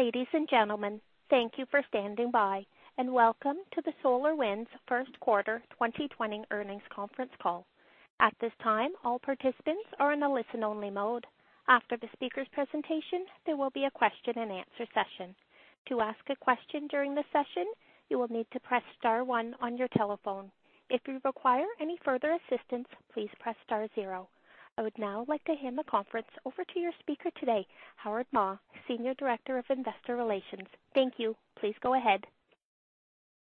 Ladies and gentlemen, thank you for standing by, and welcome to the SolarWinds first quarter 2020 earnings conference call. At this time, all participants are in a listen-only mode. After the speaker's presentation, there will be a question-and-answer session. To ask a question during the session, you will need to press star one on your telephone. If you require any further assistance, please press star zero. I would now like to hand the conference over to your speaker today, Howard Ma, Senior Director of Investor Relations. Thank you. Please go ahead.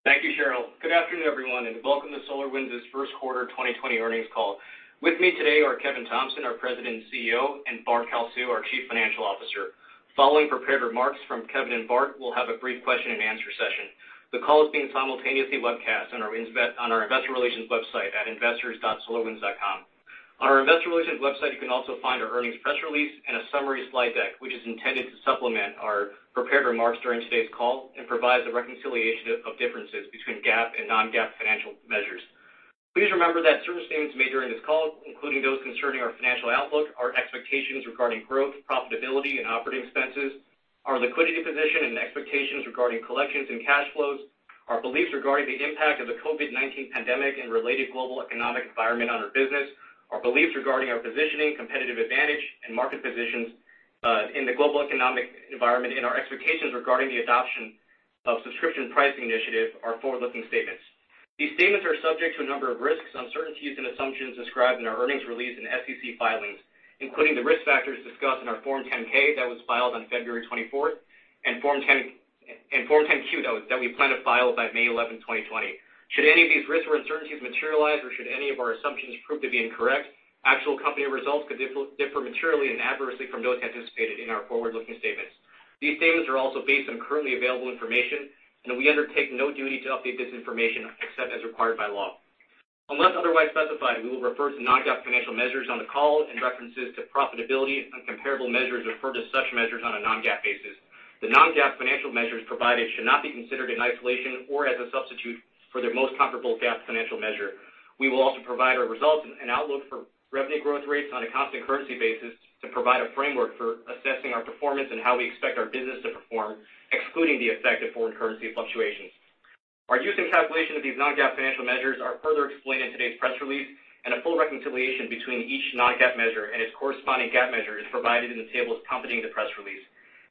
Thank you, Cheryl. Good afternoon, everyone, and welcome to SolarWinds' first quarter 2020 earnings call. With me today are Kevin Thompson, our President and CEO, and Bart Kalsu, our Chief Financial Officer. Following prepared remarks from Kevin and Bart, we'll have a brief question and answer session. The call is being simultaneously webcast on our investor relations website at investors.solarwinds.com. On our investor relations website, you can also find our earnings press release and a summary slide deck, which is intended to supplement our prepared remarks during today's call and provide the reconciliation of differences between GAAP and non-GAAP financial measures. Please remember that certain statements made during this call, including those concerning our financial outlook, our expectations regarding growth, profitability, and operating expenses, our liquidity position and expectations regarding collections and cash flows, our beliefs regarding the impact of the COVID-19 pandemic and related global economic environment on our business, our beliefs regarding our positioning, competitive advantage, and market positions, in the global economic environment, and our expectations regarding the adoption of subscription pricing initiative are forward-looking statements. These statements are subject to a number of risks, uncertainties, and assumptions described in our earnings release and SEC filings, including the risk factors discussed in our Form 10-K that was filed on February 24th and Form 10-Q that we plan to file by May 11, 2020. Should any of these risks or uncertainties materialize, or should any of our assumptions prove to be incorrect, actual company results could differ materially and adversely from those anticipated in our forward-looking statements. These statements are also based on currently available information, and we undertake no duty to update this information except as required by law. Unless otherwise specified, we will refer to non-GAAP financial measures on the call, and references to profitability on comparable measures refer to such measures on a non-GAAP basis. The non-GAAP financial measures provided should not be considered in isolation or as a substitute for their most comparable GAAP financial measure. We will also provide our results and outlook for revenue growth rates on a constant currency basis to provide a framework for assessing our performance and how we expect our business to perform, excluding the effect of foreign currency fluctuations. Our use and calculation of these non-GAAP financial measures are further explained in today's press release, and a full reconciliation between each non-GAAP measure and its corresponding GAAP measure is provided in the tables accompanying the press release.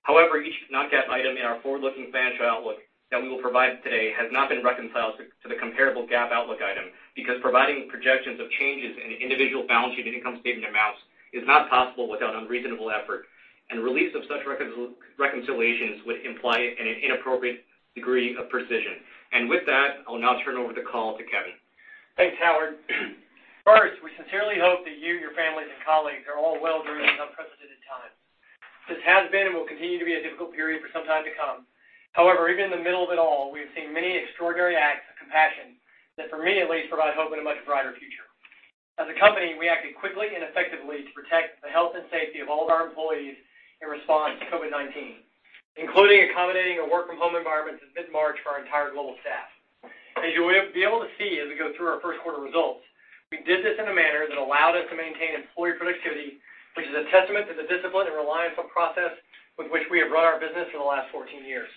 However, each non-GAAP item in our forward-looking financial outlook that we will provide today has not been reconciled to the comparable GAAP outlook item, because providing projections of changes in individual balance sheet and income statement amounts is not possible without unreasonable effort, and release of such reconciliations would imply an inappropriate degree of precision. With that, I will now turn over the call to Kevin. Thanks, Howard. First, we sincerely hope that you, your families, and colleagues are all well during this unprecedented time. This has been and will continue to be a difficult period for some time to come. However, even in the middle of it all, we have seen many extraordinary acts of compassion that, for me at least, provide hope in a much brighter future. As a company, we acted quickly and effectively to protect the health and safety of all of our employees in response to COVID-19, including accommodating a work-from-home environment since mid-March for our entire global staff. As you will be able to see as we go through our first quarter results, we did this in a manner that allowed us to maintain employee productivity, which is a testament to the discipline and reliance on process with which we have run our business for the last 14 years.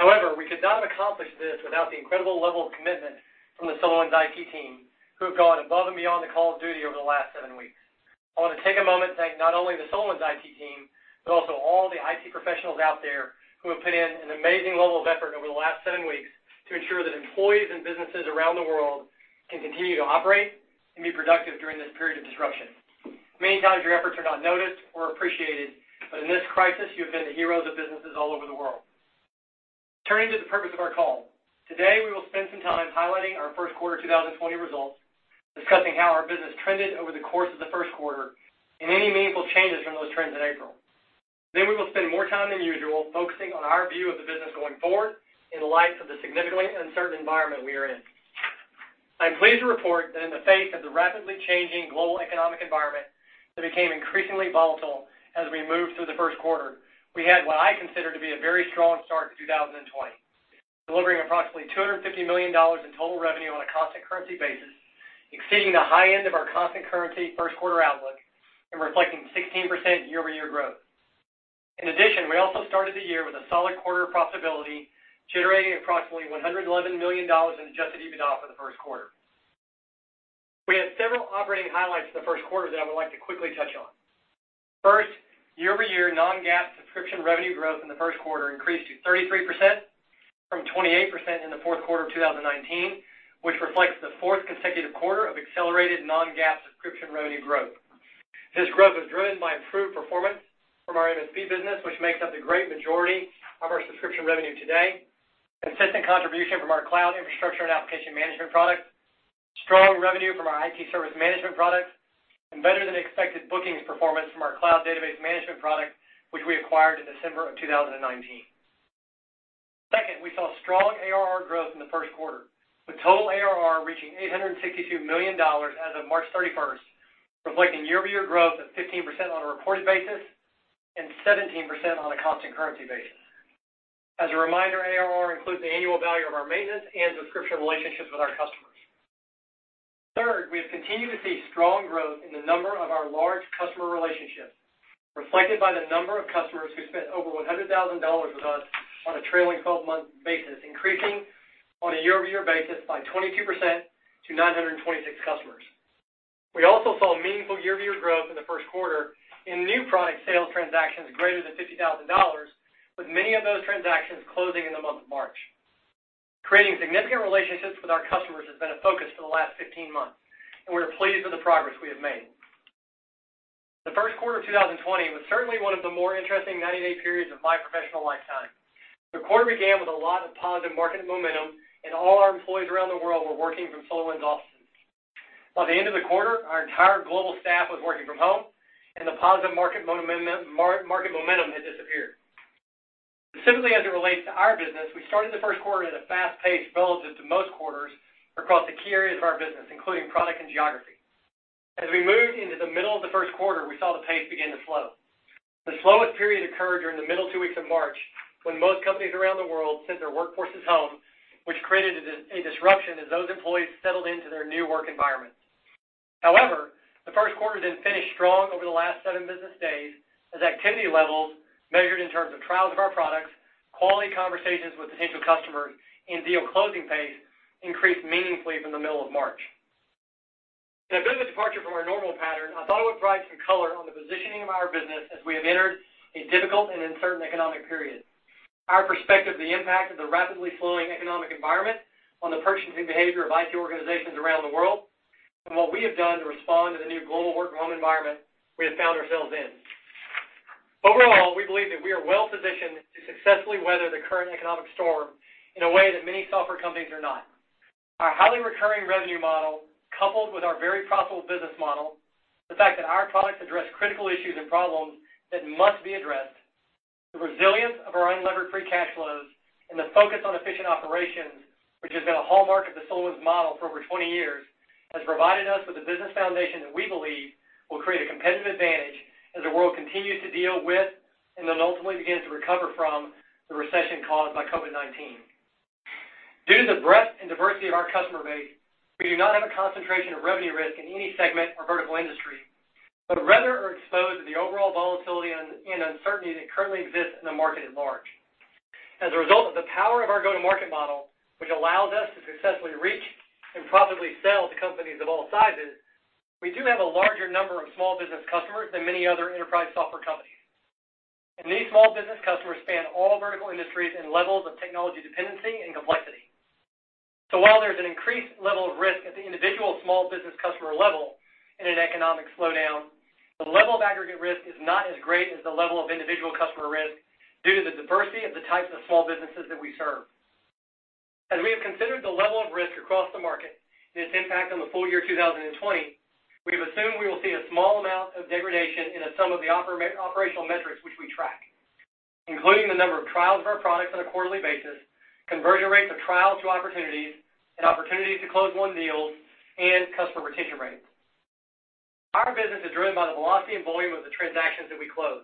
However, we could not have accomplished this without the incredible level of commitment from the SolarWinds IT team, who have gone above and beyond the call of duty over the last seven weeks. I want to take a moment to thank not only the SolarWinds IT team, but also all the IT professionals out there who have put in an amazing level of effort over the last seven weeks to ensure that employees and businesses around the world can continue to operate and be productive during this period of disruption. Many times, your efforts are not noticed or appreciated, but in this crisis, you have been the heroes of businesses all over the world. Turning to the purpose of our call. Today, we will spend some time highlighting our first quarter 2020 results, discussing how our business trended over the course of the first quarter and any meaningful changes from those trends in April. We will spend more time than usual focusing on our view of the business going forward in light of the significantly uncertain environment we are in. I'm pleased to report that in the face of the rapidly changing global economic environment that became increasingly volatile as we moved through the first quarter, we had what I consider to be a very strong start to 2020, delivering approximately $250 million in total revenue on a constant currency basis, exceeding the high end of our constant currency first quarter outlook and reflecting 16% year-over-year growth. In addition, we also started the year with a solid quarter of profitability, generating approximately $111 million in Adjusted EBITDA for the first quarter. We had several operating highlights in the first quarter that I would like to quickly touch on. First, year-over-year non-GAAP subscription revenue growth in the first quarter increased to 33% from 28% in the fourth quarter of 2019, which reflects the fourth consecutive quarter of accelerated non-GAAP subscription revenue growth. This growth was driven by improved performance from our MSP business, which makes up the great majority of our subscription revenue today, consistent contribution from our cloud infrastructure and application management product, strong revenue from our IT service management product, and better-than-expected bookings performance from our Database Performance Monitor, which we acquired in December of 2019. Second, we saw strong ARR growth in the first quarter, with total ARR reaching $862 million as of March 31st, reflecting year-over-year growth of 15% on a reported basis and 17% on a constant currency basis. As a reminder, ARR includes the annual value of our maintenance and subscription relationships with our customers. We have continued to see strong growth in the number of our large customer relationships, reflected by the number of customers who spent over $100,000 with us on a trailing 12-month basis, increasing on a year-over-year basis by 22% to 926 customers. We also saw meaningful year-over-year growth in the first quarter in new product sales transactions greater than $50,000, with many of those transactions closing in the month of March. Creating significant relationships with our customers has been a focus for the last 15 months, and we're pleased with the progress we have made. The first quarter of 2020 was certainly one of the more interesting 90-day periods of my professional lifetime. The quarter began with a lot of positive market momentum, and all our employees around the world were working from SolarWinds offices. By the end of the quarter, our entire global staff was working from home, and the positive market momentum had disappeared. Specifically, as it relates to our business, we started the first quarter at a fast pace relative to most quarters across the key areas of our business, including product and geography. As we moved into the middle of the first quarter, we saw the pace begin to slow. The slowest period occurred during the middle two weeks of March, when most companies around the world sent their workforces home, which created a disruption as those employees settled into their new work environment. The first quarter did finish strong over the last seven business days, as activity levels measured in terms of trials of our products, quality conversations with potential customers, and deal closing pace increased meaningfully from the middle of March. In a bit of a departure from our normal pattern, I thought I would provide some color on the positioning of our business as we have entered a difficult and uncertain economic period, our perspective, the impact of the rapidly slowing economic environment on the purchasing behavior of IT organizations around the world, and what we have done to respond to the new global work-from-home environment we have found ourselves in. We believe that we are well-positioned to successfully weather the current economic storm in a way that many software companies are not. Our highly recurring revenue model, coupled with our very profitable business model, the fact that our products address critical issues and problems that must be addressed, the resilience of our unlevered free cash flows, and the focus on efficient operations, which has been a hallmark of the SolarWinds model for over 20 years, has provided us with a business foundation that we believe will create a competitive advantage as the world continues to deal with, and then ultimately begins to recover from, the recession caused by COVID-19. Due to the breadth and diversity of our customer base, we do not have a concentration of revenue risk in any segment or vertical industry, but rather are exposed to the overall volatility and uncertainty that currently exists in the market at large. As a result of the power of our go-to-market model, which allows us to successfully reach and profitably sell to companies of all sizes, we do have a larger number of small business customers than many other enterprise software companies. These small business customers span all vertical industries and levels of technology dependency and complexity. While there's an increased level of risk at the individual small business customer level in an economic slowdown, the level of aggregate risk is not as great as the level of individual customer risk due to the diversity of the types of small businesses that we serve. As we have considered the level of risk across the market and its impact on the full year 2020, we have assumed we will see a small amount of degradation in some of the operational metrics which we track, including the number of trials of our products on a quarterly basis, conversion rates of trials to opportunities, and opportunities to closed-won deals, and customer retention rates. Our business is driven by the velocity and volume of the transactions that we close.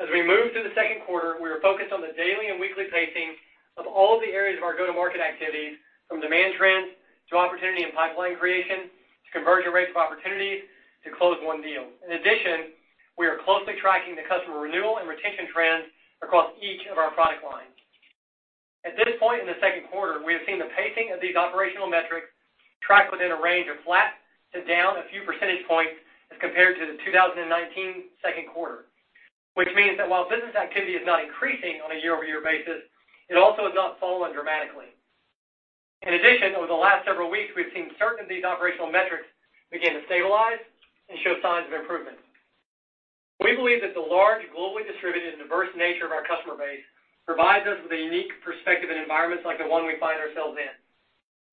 As we move through the second quarter, we are focused on the daily and weekly pacing of all the areas of our go-to-market activities, from demand trends to opportunity and pipeline creation, to conversion rates of opportunities, to closed-won deals. In addition, we are closely tracking the customer renewal and retention trends across each of our product lines. At this point in the second quarter, we have seen the pacing of these operational metrics track within a range of flat to down a few percentage points as compared to the 2019 second quarter. Which means that while business activity is not increasing on a year-over-year basis, it also has not fallen dramatically. In addition, over the last several weeks, we've seen certain of these operational metrics begin to stabilize and show signs of improvement. We believe that the large, globally distributed, and diverse nature of our customer base provides us with a unique perspective in environments like the one we find ourselves in.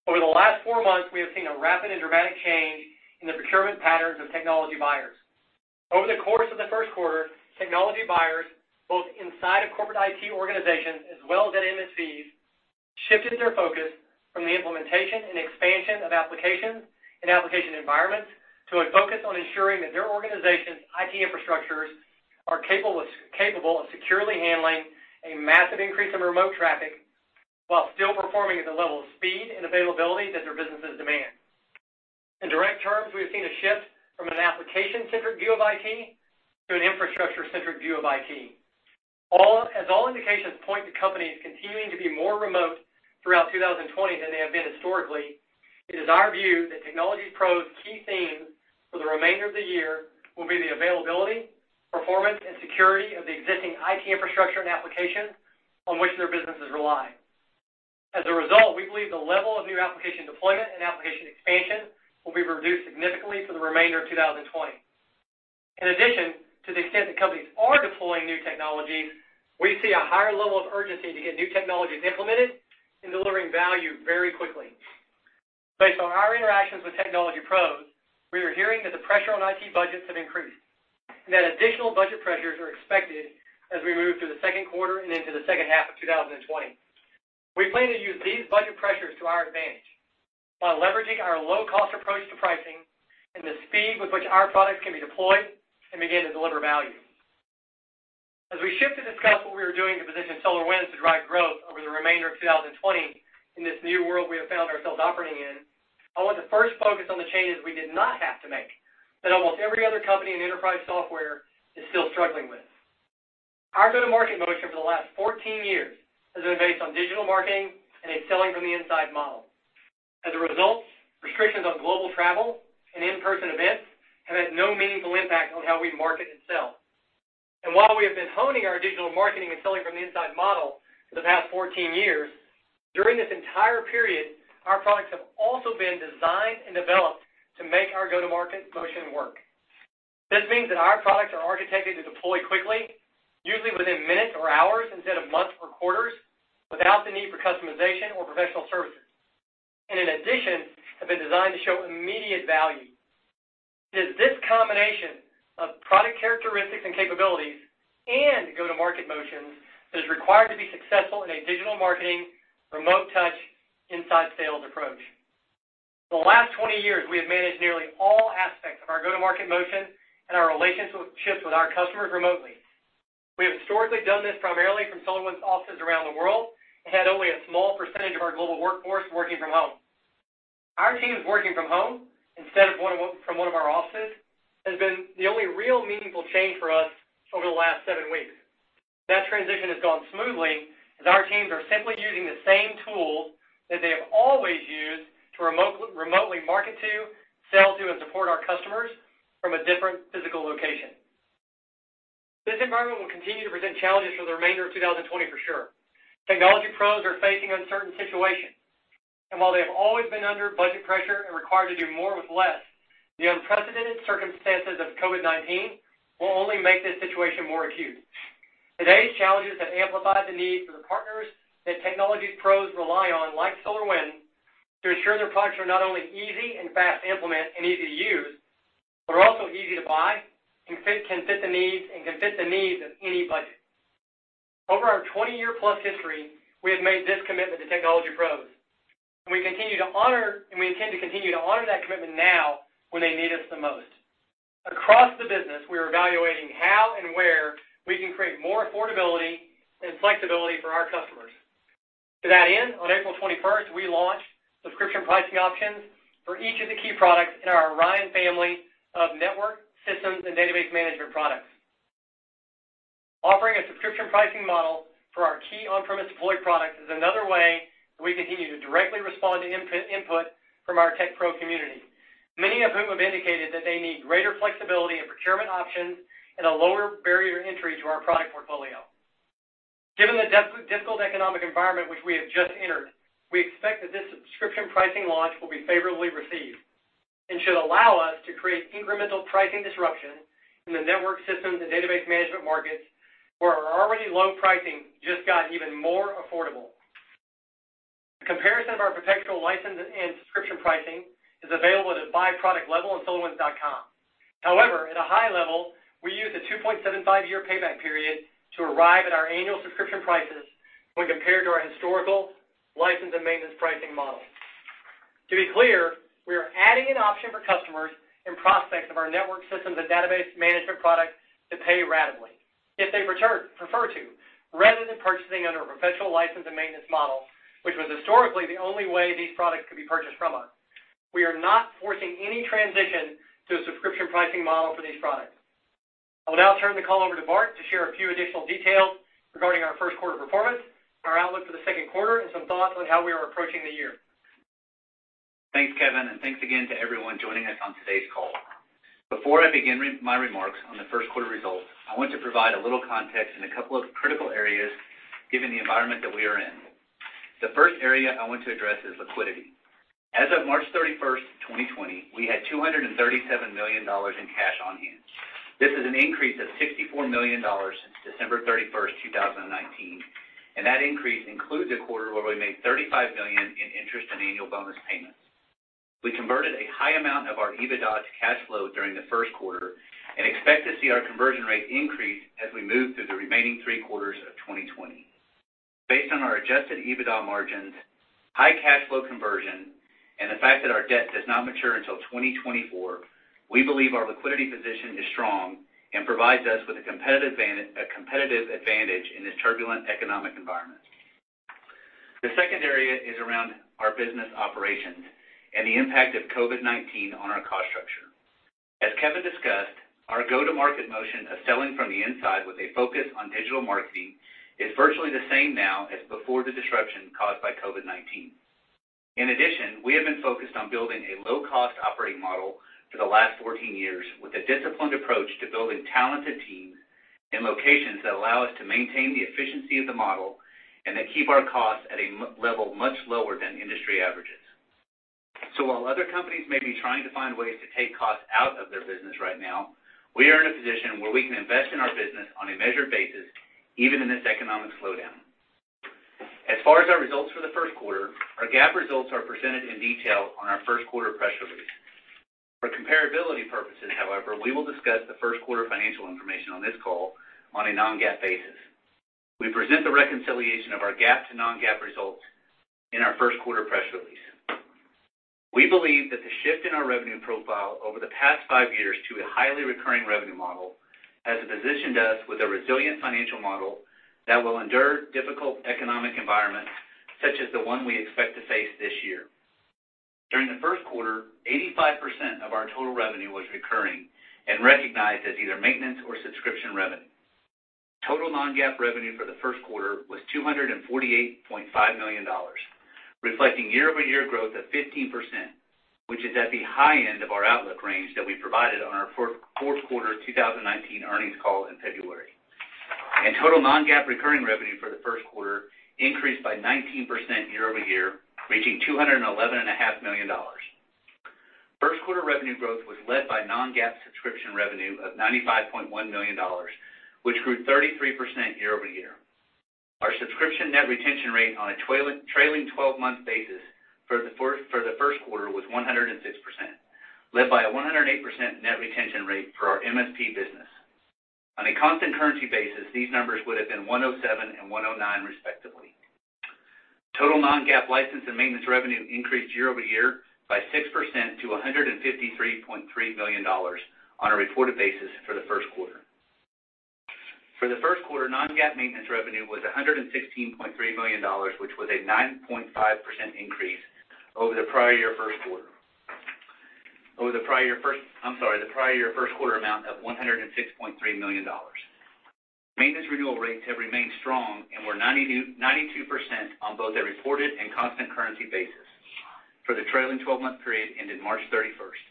Over the last four months, we have seen a rapid and dramatic change in the procurement patterns of technology buyers. Over the course of the first quarter, technology buyers, both inside of corporate IT organizations as well as at MSPs, shifted their focus from the implementation and expansion of applications and application environments to a focus on ensuring that their organization's IT infrastructures are capable of securely handling a massive increase in remote traffic while still performing at the level of speed and availability that their businesses demand. In direct terms, we have seen a shift from an application-centric view of IT to an infrastructure-centric view of IT. As all indications point to companies continuing to be more remote throughout 2020 than they have been historically, it is our view that technology pros' key theme for the remainder of the year will be the availability, performance, and security of the existing IT infrastructure and applications on which their businesses rely. As a result, we believe the level of new application deployment and application expansion will be reduced significantly for the remainder of 2020. In addition to the extent that companies are deploying new technologies, we see a higher level of urgency to get new technologies implemented and delivering value very quickly. Based on our interactions with technology pros, we are hearing that the pressure on IT budgets have increased, and that additional budget pressures are expected as we move through the second quarter and into the second half of 2020. We plan to use these budget pressures to our advantage by leveraging our low-cost approach to pricing and the speed with which our products can be deployed and begin to deliver value. We shift to discuss what we are doing to position SolarWinds to drive growth over the remainder of 2020 in this new world we have found ourselves operating in, I want to first focus on the changes we did not have to make, that almost every other company in enterprise software is still struggling with. Our go-to-market motion for the last 14 years has been based on digital marketing and a selling from the inside model. As a result, restrictions on global travel and in-person events have had no meaningful impact on how we market and sell. While we have been honing our digital marketing and selling from the inside model for the past 14 years, during this entire period, our products have also been designed and developed to make our go-to-market motion work. This means that our products are architected to deploy quickly, usually within minutes or hours instead of months or quarters, without the need for customization or professional services, and in addition, have been designed to show immediate value. It is this combination of product characteristics and capabilities and go-to-market motions that is required to be successful in a digital marketing, remote touch inside sales approach. For the last 20 years, we have managed nearly all aspects of our go-to-market motion and our relationships with our customers remotely. We have historically done this primarily from SolarWinds offices around the world, and had only a small percentage of our global workforce working from home. Our teams working from home instead of from one of our offices, has been the only real meaningful change for us over the last seven weeks. That transition has gone smoothly, as our teams are simply using the same tools that they have always used to remotely market to, sell to, and support our customers from a different physical location. This environment will continue to present challenges for the remainder of 2020, for sure. Technology pros are facing uncertain situations, and while they have always been under budget pressure and required to do more with less, the unprecedented circumstances of COVID-19 will only make this situation more acute. Today's challenges have amplified the need for the partners that technology pros rely on, like SolarWinds, to ensure their products are not only easy and fast to implement and easy to use, but are also easy to buy and can fit the needs of any budget. Over our 20-year plus history, we have made this commitment to technology pros, and we intend to continue to honor that commitment now when they need us the most. Across the business, we are evaluating how and where we can create more affordability and flexibility for our customers. To that end, on April 21st, we launched subscription pricing options for each of the key products in our Orion family of network systems and database management products. Offering a subscription pricing model for our key on-premise deployed products is another way that we continue to directly respond to input from our tech pro community, many of whom have indicated that they need greater flexibility in procurement options and a lower barrier to entry to our product portfolio. Given the difficult economic environment which we have just entered, we expect that this subscription pricing launch will be favorably received and should allow us to create incremental pricing disruption in the network systems and database management markets where our already low pricing just got even more affordable. A comparison of our perpetual license and subscription pricing is available at the by-product level on solarwinds.com. However, at a high level, we use a 2.75-year payback period to arrive at our annual subscription prices when compared to our historical license and maintenance pricing model. To be clear, we are adding an option for customers and prospects of our network systems and database management products to pay ratably, if they prefer to, rather than purchasing under a perpetual license and maintenance model, which was historically the only way these products could be purchased from us. We are not forcing any transition to a subscription pricing model for these products. I will now turn the call over to Bart to share a few additional details regarding our first quarter performance, our outlook for the second quarter, and some thoughts on how we are approaching the year. Thanks, Kevin, and thanks again to everyone joining us on today's call. Before I begin my remarks on the first quarter results, I want to provide a little context in a couple of critical areas given the environment that we are in. The first area I want to address is liquidity. As of March 31st, 2020, we had $237 million in cash on hand. This is an increase of $64 million since December 31st, 2019, and that increase includes a quarter where we made $35 million in interest and annual bonus payments. We converted a high amount of our EBITDA to cash flow during the first quarter and expect to see our conversion rate increase as we move through the remaining three quarters of 2020. Based on our Adjusted EBITDA margins, high cash flow conversion, and the fact that our debt does not mature until 2024, we believe our liquidity position is strong and provides us with a competitive advantage in this turbulent economic environment. The second area is around our business operations and the impact of COVID-19 on our cost structure. As Kevin discussed, our go-to-market motion of selling from the inside with a focus on digital marketing is virtually the same now as before the disruption caused by COVID-19. In addition, we have been focused on building a low-cost operating model for the last 14 years with a disciplined approach to building talented teams in locations that allow us to maintain the efficiency of the model and that keep our costs at a level much lower than industry averages. While other companies may be trying to find ways to take costs out of their business right now, we are in a position where we can invest in our business on a measured basis, even in this economic slowdown. As far as our results for the first quarter, our GAAP results are presented in detail on our first quarter press release. For comparability purposes, however, we will discuss the first quarter financial information on this call on a non-GAAP basis. We present the reconciliation of our GAAP to non-GAAP results in our first quarter press release. We believe that the shift in our revenue profile over the past five years to a highly recurring revenue model has positioned us with a resilient financial model that will endure difficult economic environments, such as the one we expect to face this year. During the first quarter, 85% of our total revenue was recurring and recognized as either maintenance or subscription revenue. Total non-GAAP revenue for the first quarter was $248.5 million, reflecting year-over-year growth of 15%, which is at the high end of our outlook range that we provided on our fourth quarter 2019 earnings call in February. Total non-GAAP recurring revenue for the first quarter increased by 19% year-over-year, reaching $211.5 million. First quarter revenue growth was led by non-GAAP subscription revenue of $95.1 million, which grew 33% year-over-year. Our subscription net retention rate on a trailing 12-month basis for the first quarter was 106%, led by a 108% net retention rate for our MSP business. On a constant currency basis, these numbers would have been 107 and 109, respectively. Total non-GAAP license and maintenance revenue increased year-over-year by 6% to $153.3 million on a reported basis for the first quarter. For the first quarter, non-GAAP maintenance revenue was $116.3 million, which was a 9.5% increase over the prior year first quarter amount of $106.3 million. Maintenance renewal rates have remained strong and were 92% on both a reported and constant currency basis for the trailing 12-month period ended March 31st.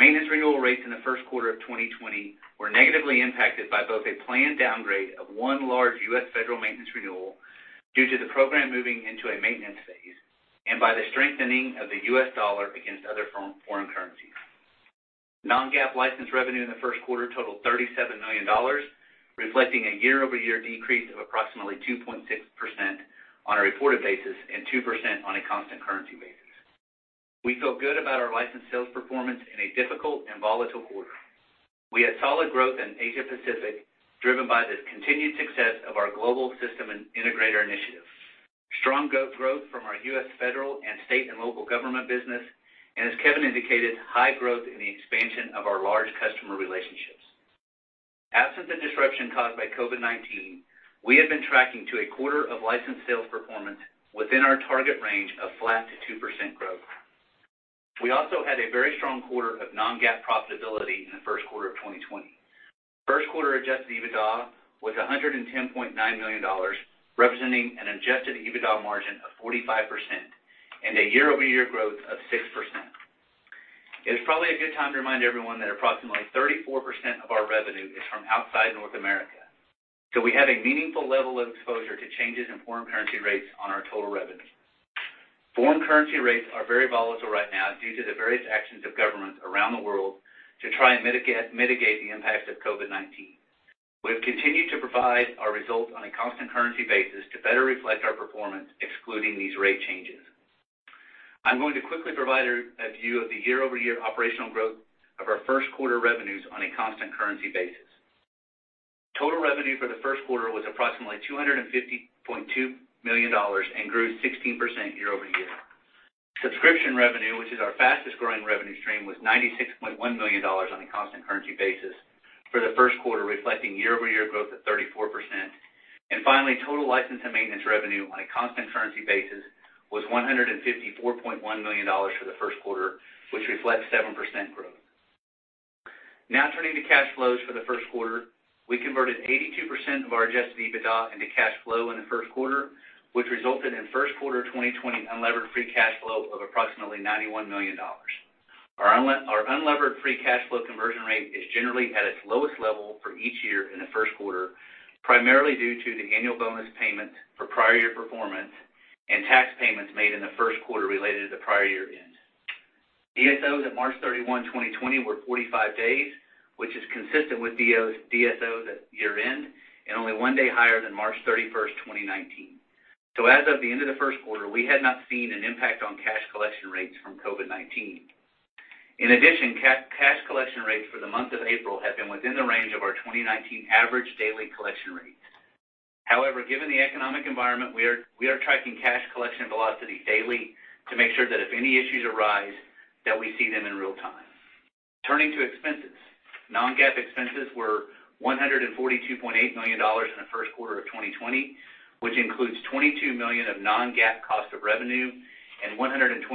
Maintenance renewal rates in the first quarter of 2020 were negatively impacted by both a planned downgrade of one large U.S. federal maintenance renewal due to the program moving into a maintenance phase, and by the strengthening of the US dollar against other foreign currencies. Non-GAAP license revenue in the first quarter totaled $37 million, reflecting a year-over-year decrease of approximately 2.6% on a reported basis and 2% on a constant currency basis. We feel good about our license sales performance in a difficult and volatile quarter. We had solid growth in Asia Pacific, driven by the continued success of our global system and integrator initiatives, strong growth from our US federal and state and local government business, and as Kevin indicated, high growth in the expansion of our large customer relationships. Absent the disruption caused by COVID-19, we had been tracking to a quarter of licensed sales performance within our target range of flat to 2% growth. We also had a very strong quarter of non-GAAP profitability in the first quarter of 2020. First quarter Adjusted EBITDA was $110.9 million, representing an Adjusted EBITDA margin of 45% and a year-over-year growth of 6%. It is probably a good time to remind everyone that approximately 34% of our revenue is from outside North America, so we have a meaningful level of exposure to changes in foreign currency rates on our total revenue. Foreign currency rates are very volatile right now due to the various actions of governments around the world to try and mitigate the impacts of COVID-19. We've continued to provide our results on a constant currency basis to better reflect our performance, excluding these rate changes. I'm going to quickly provide a view of the year-over-year operational growth of our first quarter revenues on a constant currency basis. Total revenue for the first quarter was approximately $250.2 million and grew 16% year-over-year. Subscription revenue, which is our fastest-growing revenue stream, was $96.1 million on a constant currency basis for the first quarter, reflecting year-over-year growth of 34%. Finally, total license and maintenance revenue on a constant currency basis was $154.1 million for the first quarter, which reflects 7% growth. Turning to cash flows for the first quarter. We converted 82% of our Adjusted EBITDA into cash flow in the first quarter, which resulted in first quarter 2020 unlevered free cash flow of approximately $91 million. Our unlevered free cash flow conversion rate is generally at its lowest level for each year in the first quarter, primarily due to the annual bonus payment for prior year performance and tax payments made in the first quarter related to the prior year end. DSOs at March 31st, 2020, were 45 days, which is consistent with DSOs at year-end and only one day higher than March 31st, 2019. As of the end of the first quarter, we had not seen an impact on cash collection rates from COVID-19. In addition, cash collection rates for the month of April have been within the range of our 2019 average daily collection rates. However, given the economic environment, we are tracking cash collection velocity daily to make sure that if any issues arise, that we see them in real time. Turning to expenses. non-GAAP expenses were $142.8 million in the first quarter of 2020, which includes $22 million of non-GAAP cost of revenue and $120.8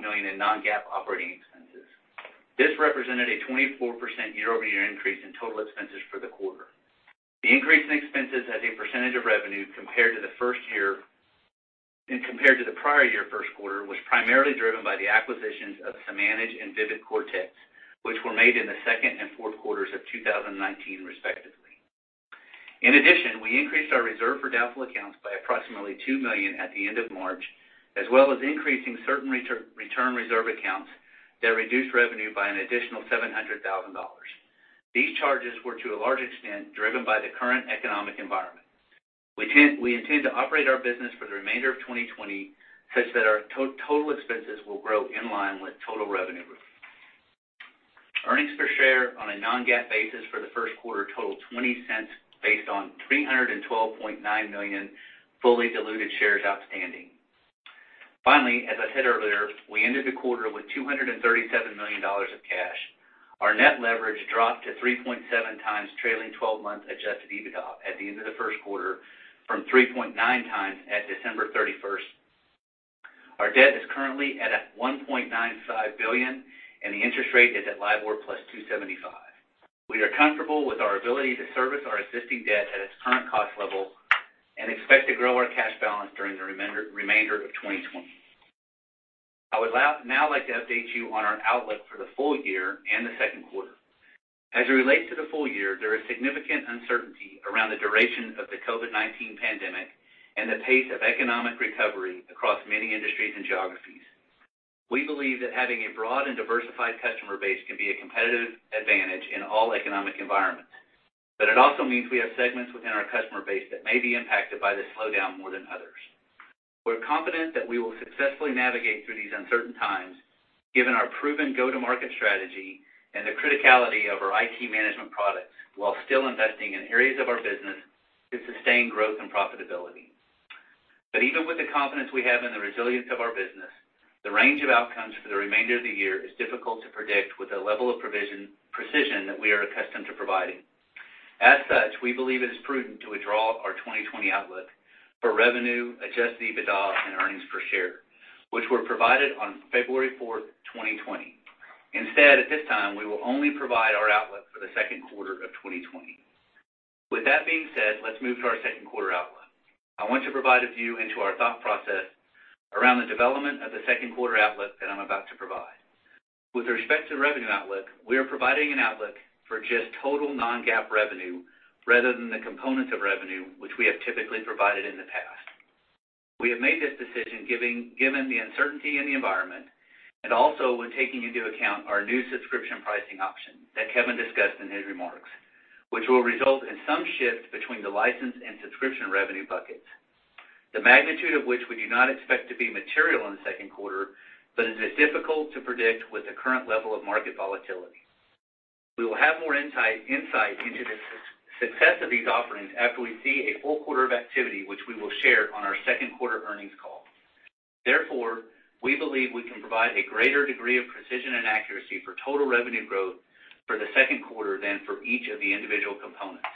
million in non-GAAP operating expenses. This represented a 24% year-over-year increase in total expenses for the quarter. The increase in expenses as a percentage of revenue compared to the prior year first quarter was primarily driven by the acquisitions of Samanage and VividCortex, which were made in the second and fourth quarters of 2019, respectively. In addition, we increased our reserve for doubtful accounts by approximately $2 million at the end of March, as well as increasing certain return reserve accounts that reduced revenue by an additional $700,000. These charges were to a large extent driven by the current economic environment. We intend to operate our business for the remainder of 2020 such that our total expenses will grow in line. On a non-GAAP basis for the first quarter totaled $0.20 based on 312.9 million fully diluted shares outstanding. As I said earlier, we ended the quarter with $237 million of cash. Our net leverage dropped to 3.7x trailing 12 months Adjusted EBITDA at the end of the first quarter from 3.9x at December 31st. Our debt is currently at $1.95 billion, and the interest rate is at LIBOR +275. We are comfortable with our ability to service our existing debt at its current cost level and expect to grow our cash balance during the remainder of 2020. I would now like to update you on our outlook for the full year and the second quarter. As it relates to the full year, there is significant uncertainty around the duration of the COVID-19 pandemic and the pace of economic recovery across many industries and geographies. We believe that having a broad and diversified customer base can be a competitive advantage in all economic environments. It also means we have segments within our customer base that may be impacted by this slowdown more than others. We're confident that we will successfully navigate through these uncertain times, given our proven go-to-market strategy and the criticality of our IT management products, while still investing in areas of our business to sustain growth and profitability. Even with the confidence we have in the resilience of our business, the range of outcomes for the remainder of the year is difficult to predict with the level of precision that we are accustomed to providing. As such, we believe it is prudent to withdraw our 2020 outlook for revenue, Adjusted EBITDA, and earnings per share, which were provided on February 4th, 2020. At this time, we will only provide our outlook for the second quarter of 2020. That being said, let's move to our second quarter outlook. I want to provide a view into our thought process around the development of the second quarter outlook that I'm about to provide. With respect to the revenue outlook, we are providing an outlook for just total non-GAAP revenue rather than the components of revenue which we have typically provided in the past. We have made this decision given the uncertainty in the environment and also when taking into account our new subscription pricing option that Kevin discussed in his remarks, which will result in some shift between the license and subscription revenue buckets, the magnitude of which we do not expect to be material in the second quarter, but it is difficult to predict with the current level of market volatility. We will have more insight into the success of these offerings after we see a full quarter of activity, which we will share on our second quarter earnings call. We believe we can provide a greater degree of precision and accuracy for total revenue growth for the second quarter than for each of the individual components.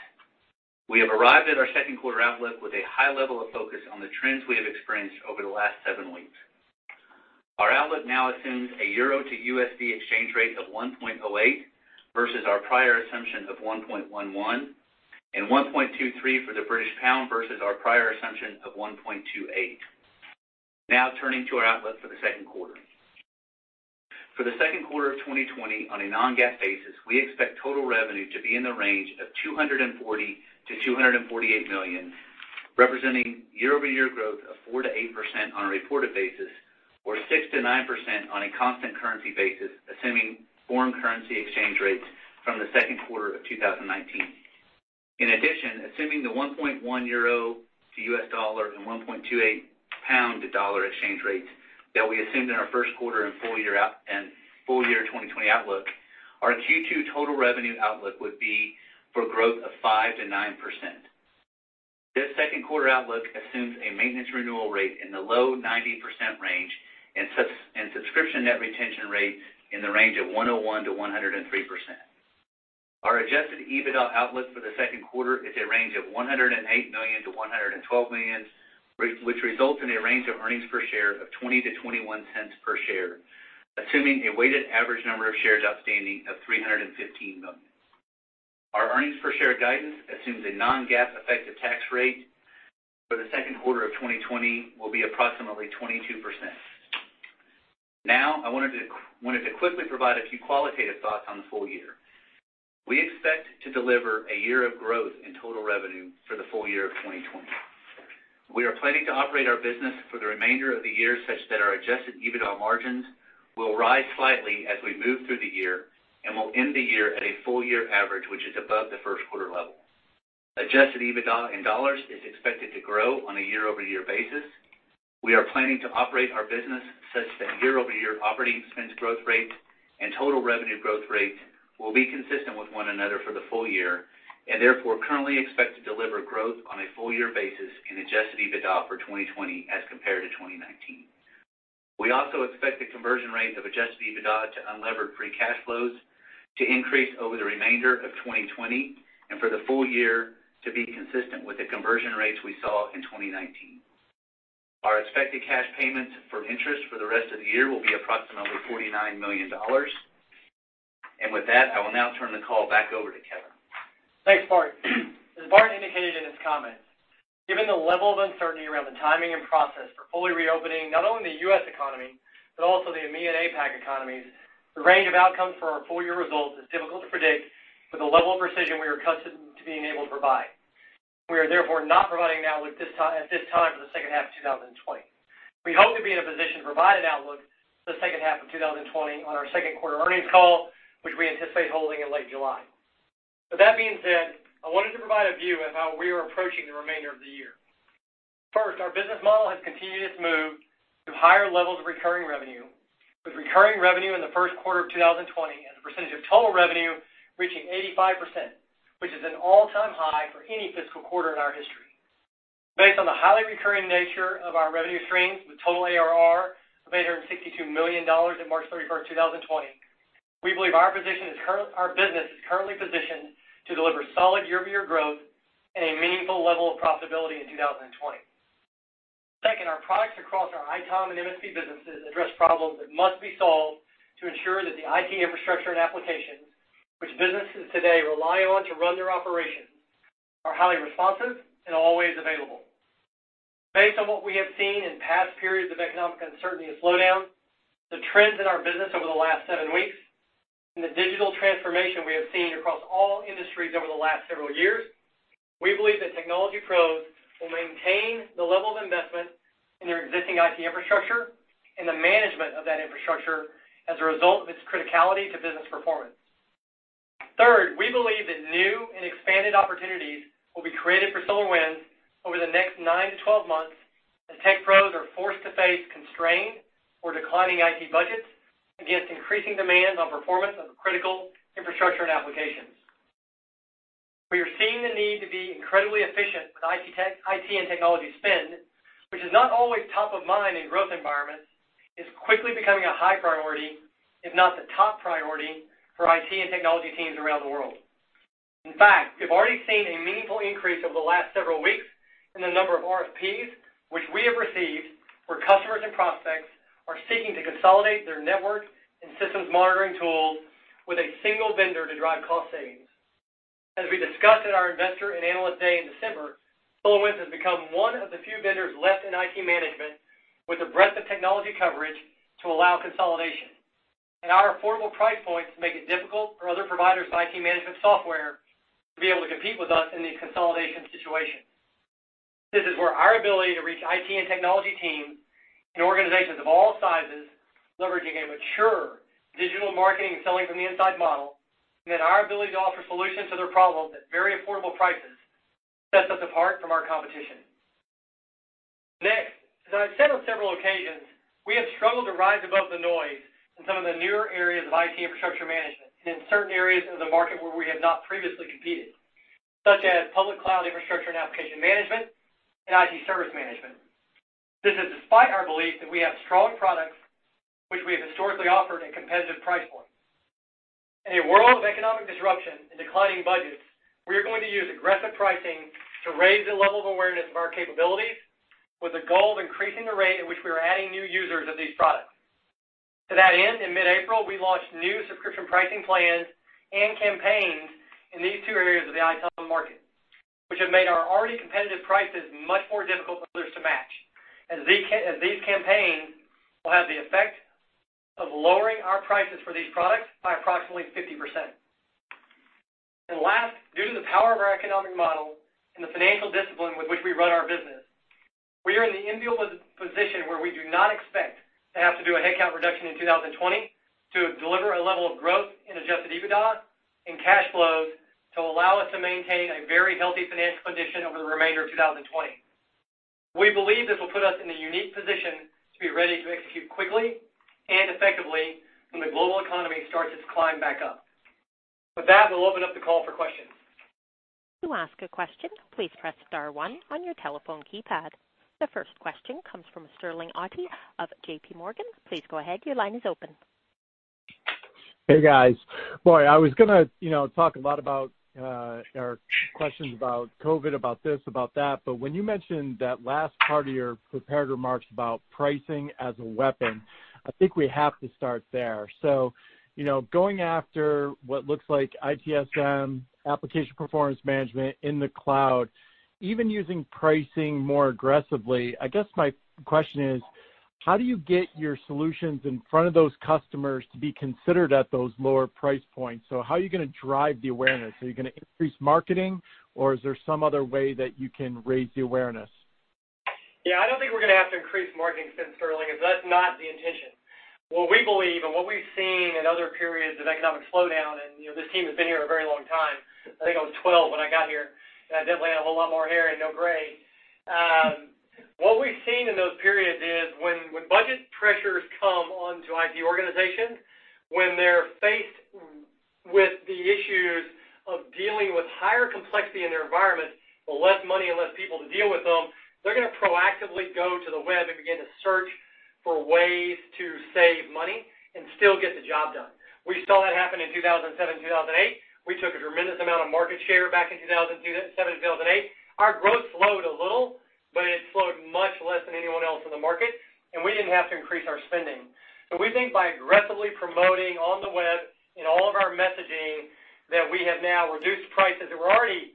We have arrived at our second quarter outlook with a high level of focus on the trends we have experienced over the last seven weeks. Our outlook now assumes a EUR to USD exchange rate of 1.08 versus our prior assumption of 1.11, and 1.23 for the GBP versus our prior assumption of 1.28. Turning to our outlook for the second quarter. For the second quarter of 2020, on a non-GAAP basis, we expect total revenue to be in the range of $240 million-$248 million, representing year-over-year growth of 4%-8% on a reported basis or 6%-9% on a constant currency basis, assuming foreign currency exchange rates from the second quarter of 2019. In addition, assuming the 1.1 euro to USD and GBP 1.28 to USD exchange rates that we assumed in our first quarter and full year 2020 outlook, our Q2 total revenue outlook would be for growth of 5%-9%. This second quarter outlook assumes a maintenance renewal rate in the low 90% range and subscription net retention rate in the range of 101%-103%. Our Adjusted EBITDA outlook for the second quarter is a range of $108 million-$112 million, which results in a range of earnings per share of $0.20-$0.21 per share, assuming a weighted average number of shares outstanding of 315 million. Our earnings per share guidance assumes a non-GAAP effective tax rate for the second quarter of 2020 will be approximately 22%. I wanted to quickly provide a few qualitative thoughts on the full year. We expect to deliver a year of growth in total revenue for the full year of 2020. We are planning to operate our business for the remainder of the year such that our Adjusted EBITDA margins will rise slightly as we move through the year and will end the year at a full year average which is above the first quarter level. Adjusted EBITDA in dollars is expected to grow on a year-over-year basis. We are planning to operate our business such that year-over-year operating expense growth rate and total revenue growth rate will be consistent with one another for the full year, and therefore, currently expect to deliver growth on a full year basis in Adjusted EBITDA for 2020 as compared to 2019. We also expect the conversion rate of Adjusted EBITDA to unlevered free cash flows to increase over the remainder of 2020 and for the full year to be consistent with the conversion rates we saw in 2019. Our expected cash payments for interest for the rest of the year will be approximately $49 million. With that, I will now turn the call back over to Kevin. Thanks, Bart. As Bart indicated in his comments, given the level of uncertainty around the timing and process for fully reopening not only the U.S. economy, but also the EMEA and APAC economies, the range of outcomes for our full year results is difficult to predict with the level of precision we are accustomed to being able to provide. We are therefore not providing an outlook at this time for the second half of 2020. We hope to be in a position to provide an outlook for the second half of 2020 on our second quarter earnings call, which we anticipate holding in late July. With that being said, I wanted to provide a view of how we are approaching the remainder of the year. First, our business model has continued its move to higher levels of recurring revenue, with recurring revenue in the first quarter of 2020 as a percentage of total revenue reaching 85%, which is an all-time high for any fiscal quarter in our history. Based on the highly recurring nature of our revenue streams, with total ARR of $862 million in March 31st, 2020, we believe our business is currently positioned to deliver solid year-over-year growth and a meaningful level of profitability in 2020. Second, our products across our ITOM and MSP businesses address problems that must be solved to ensure that the IT infrastructure and applications, which businesses today rely on to run their operations, are highly responsive and always available. Based on what we have seen in past periods of economic uncertainty and slowdown, the trends in our business over the last seven weeks, and the digital transformation we have seen across all industries over the last several years, we believe that technology pros will maintain the level of investment in their existing IT infrastructure and the management of that infrastructure as a result of its criticality to business performance. Third, we believe that new and expanded opportunities will be created for SolarWinds over the next nine to 12 months as tech pros are forced to face constrained or declining IT budgets against increasing demands on performance of critical infrastructure and applications. We are seeing the need to be incredibly efficient with IT and technology spend, which is not always top of mind in growth environments. It's quickly becoming a high priority, if not the top priority, for IT and technology teams around the world. In fact, we've already seen a meaningful increase over the last several weeks in the number of RFPs which we have received where customers and prospects are seeking to consolidate their network and systems monitoring tools with a single vendor to drive cost savings. As we discussed at our Investor and Analyst Day in December, SolarWinds has become one of the few vendors left in IT management with the breadth of technology coverage to allow consolidation. Our affordable price points make it difficult for other providers of IT management software to be able to compete with us in these consolidation situations. This is where our ability to reach IT and technology teams in organizations of all sizes, leveraging a mature digital marketing selling from the inside model, and then our ability to offer solutions to their problems at very affordable prices sets us apart from our competition. As I've said on several occasions, we have struggled to rise above the noise in some of the newer areas of IT infrastructure management and in certain areas of the market where we have not previously competed, such as public cloud infrastructure and application management and SolarWinds Service Desk. This is despite our belief that we have strong products, which we have historically offered at competitive price points. In a world of economic disruption and declining budgets, we are going to use aggressive pricing to raise the level of awareness of our capabilities with the goal of increasing the rate at which we are adding new users of these products. To that end, in mid-April, we launched new subscription pricing plans and campaigns in these two areas of the ITOM market, which have made our already competitive prices much more difficult for others to match, as these campaigns will have the effect of lowering our prices for these products by approximately 50%. Last, due to the power of our economic model and the financial discipline with which we run our business, we are in the enviable position where we do not expect to have to do a headcount reduction in 2020 to deliver a level of growth in Adjusted EBITDA and cash flows to allow us to maintain a very healthy financial position over the remainder of 2020. We believe this will put us in the unique position to be ready to execute quickly and effectively when the global economy starts its climb back up. With that, we'll open up the call for questions. To ask a question, please press star one on your telephone keypad. The first question comes from Sterling Auty of JPMorgan. Please go ahead. Your line is open. Hey, guys. Boy, I was going to talk a lot about questions about COVID, about this, about that. When you mentioned that last part of your prepared remarks about pricing as a weapon, I think we have to start there. Going after what looks like ITSM application performance management in the cloud, even using pricing more aggressively, I guess my question is, how do you get your solutions in front of those customers to be considered at those lower price points? How are you going to drive the awareness? Are you going to increase marketing, is there some other way that you can raise the awareness? Yeah, I don't think we're going to have to increase marketing spend, Sterling. That's not the intention. What we believe and what we've seen in other periods of economic slowdown, and this team has been here a very long time. I think I was twelve when I got here, and I definitely had a whole lot more hair and no gray. What we've seen in those periods is when budget pressures come onto IT organizations, when they're faced with the issues of dealing with higher complexity in their environment, but less money and less people to deal with them, they're going to proactively go to the web and begin to search for ways to save money and still get the job done. We saw that happen in 2007, 2008. We took a tremendous amount of market share back in 2007 and 2008. Our growth slowed a little, but it slowed much less than anyone else in the market, and we didn't have to increase our spending. We think by aggressively promoting on the web in all of our messaging that we have now reduced prices that were already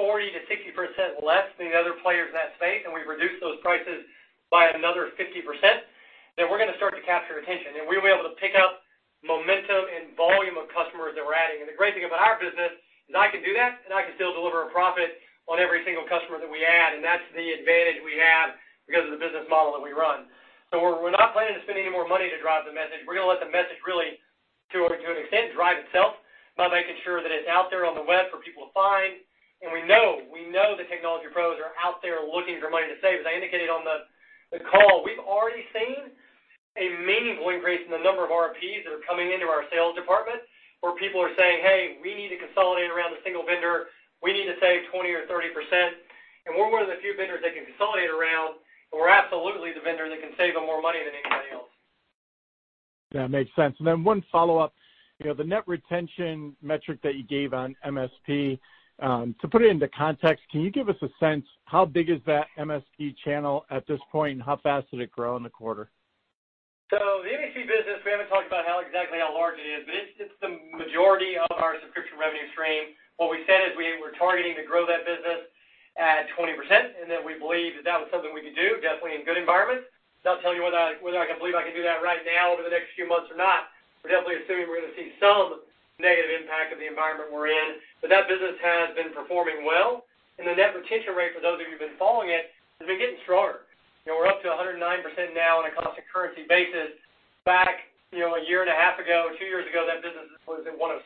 40%-60% less than the other players in that space, and we've reduced those prices by another 50%, that we're going to start to capture attention, and we will be able to pick up momentum and volume of customers that we're adding. The great thing about our business is I can do that, and I can still deliver a profit on every single customer that we add, and that's the advantage we have because of the business model that we run. We're not planning to spend any more money to drive the message. We're going to let the message really, to an extent, drive itself by making sure that it's out there on the web for people to find. We know that technology pros are out there looking for money to save. As I indicated on the call, we've already seen a meaningful increase in the number of RFPs that are coming into our sales department, where people are saying, "Hey, we need to consolidate around a single vendor. We need to save 20% or 30%." We're one of the few vendors they can consolidate around, and we're absolutely the vendor that can save them more money than anybody else. That makes sense. One follow-up. The net retention metric that you gave on MSP, to put it into context, can you give us a sense how big is that MSP channel at this point, and how fast did it grow in the quarter? The MSP business, we haven't talked about exactly how large it is, but it's the majority of our subscription revenue stream. We said is we're targeting to grow that business at 20%, and that we believe that that was something we could do, definitely in good environments. I'll tell you whether I can believe I can do that right now over the next few months or not. We're definitely assuming we're going to see some negative impact of the environment we're in. That business has been performing well, and the net retention rate, for those of you who've been following it, has been getting stronger. We're up to 109% now on a constant currency basis. Back a year and a half ago, two years ago, that business was at 106.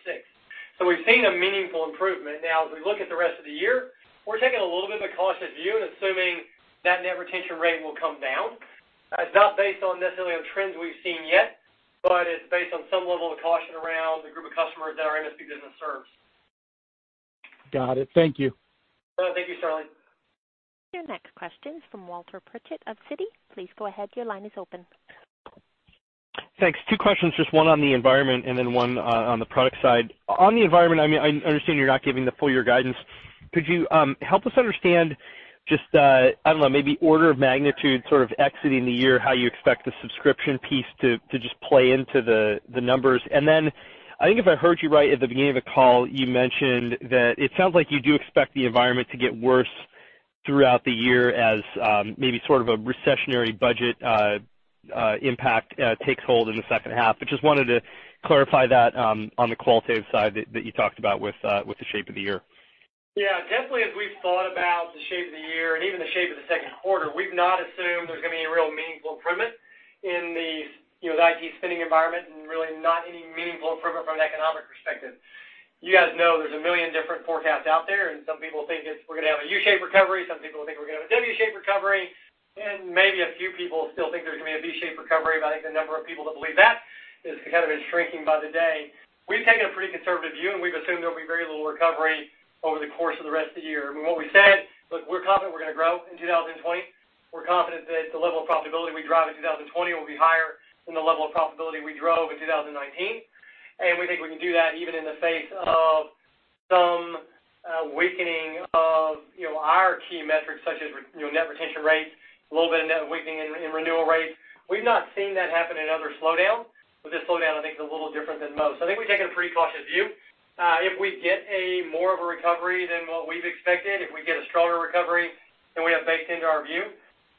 We've seen a meaningful improvement. Now, as we look at the rest of the year, we're taking a little bit of a cautious view and assuming that net retention rate will come down. It's not based on necessarily on trends we've seen yet, but it's based on some level of caution around the group of customers that our MSP business serves. Got it. Thank you. Thank you, Sterling. Your next question is from Walter Pritchard of Citi. Please go ahead. Your line is open. Thanks. Two questions, just one on the environment and then one on the product side. On the environment, I understand you're not giving the full year guidance. Could you help us understand just, I don't know, maybe order of magnitude sort of exiting the year, how you expect the subscription piece to just play into the numbers? I think if I heard you right at the beginning of the call, you mentioned that it sounds like you do expect the environment to get worse throughout the year as maybe sort of a recessionary budget impact takes hold in the second half. Just wanted to clarify that on the qualitative side that you talked about with the shape of the year. Definitely as we've thought about the shape of the year and even the shape of the second quarter, we've not assumed there's going to be a real meaningful improvement in the IT spending environment and really not any meaningful improvement from an economic perspective. You guys know there's a million different forecasts out there. Some people think we're going to have a U-shaped recovery, some people think we're going to have a W-shaped recovery, and maybe a few people still think there's going to be a V-shaped recovery. I think the number of people that believe that has kind of been shrinking by the day. We've taken a pretty conservative view, and we've assumed there'll be very little recovery over the course of the rest of the year. I mean, what we said, look, we're confident we're going to grow in 2020. We're confident that the level of profitability we drive in 2020 will be higher than the level of profitability we drove in 2019. We think we can do that even in the face of some weakening of our key metrics, such as net retention rates, a little bit of net weakening in renewal rates. We've not seen that happen in other slowdowns. With this slowdown, I think it's a little different than most. I think we've taken a pretty cautious view. If we get a more of a recovery than what we've expected, if we get a stronger recovery than we have baked into our view,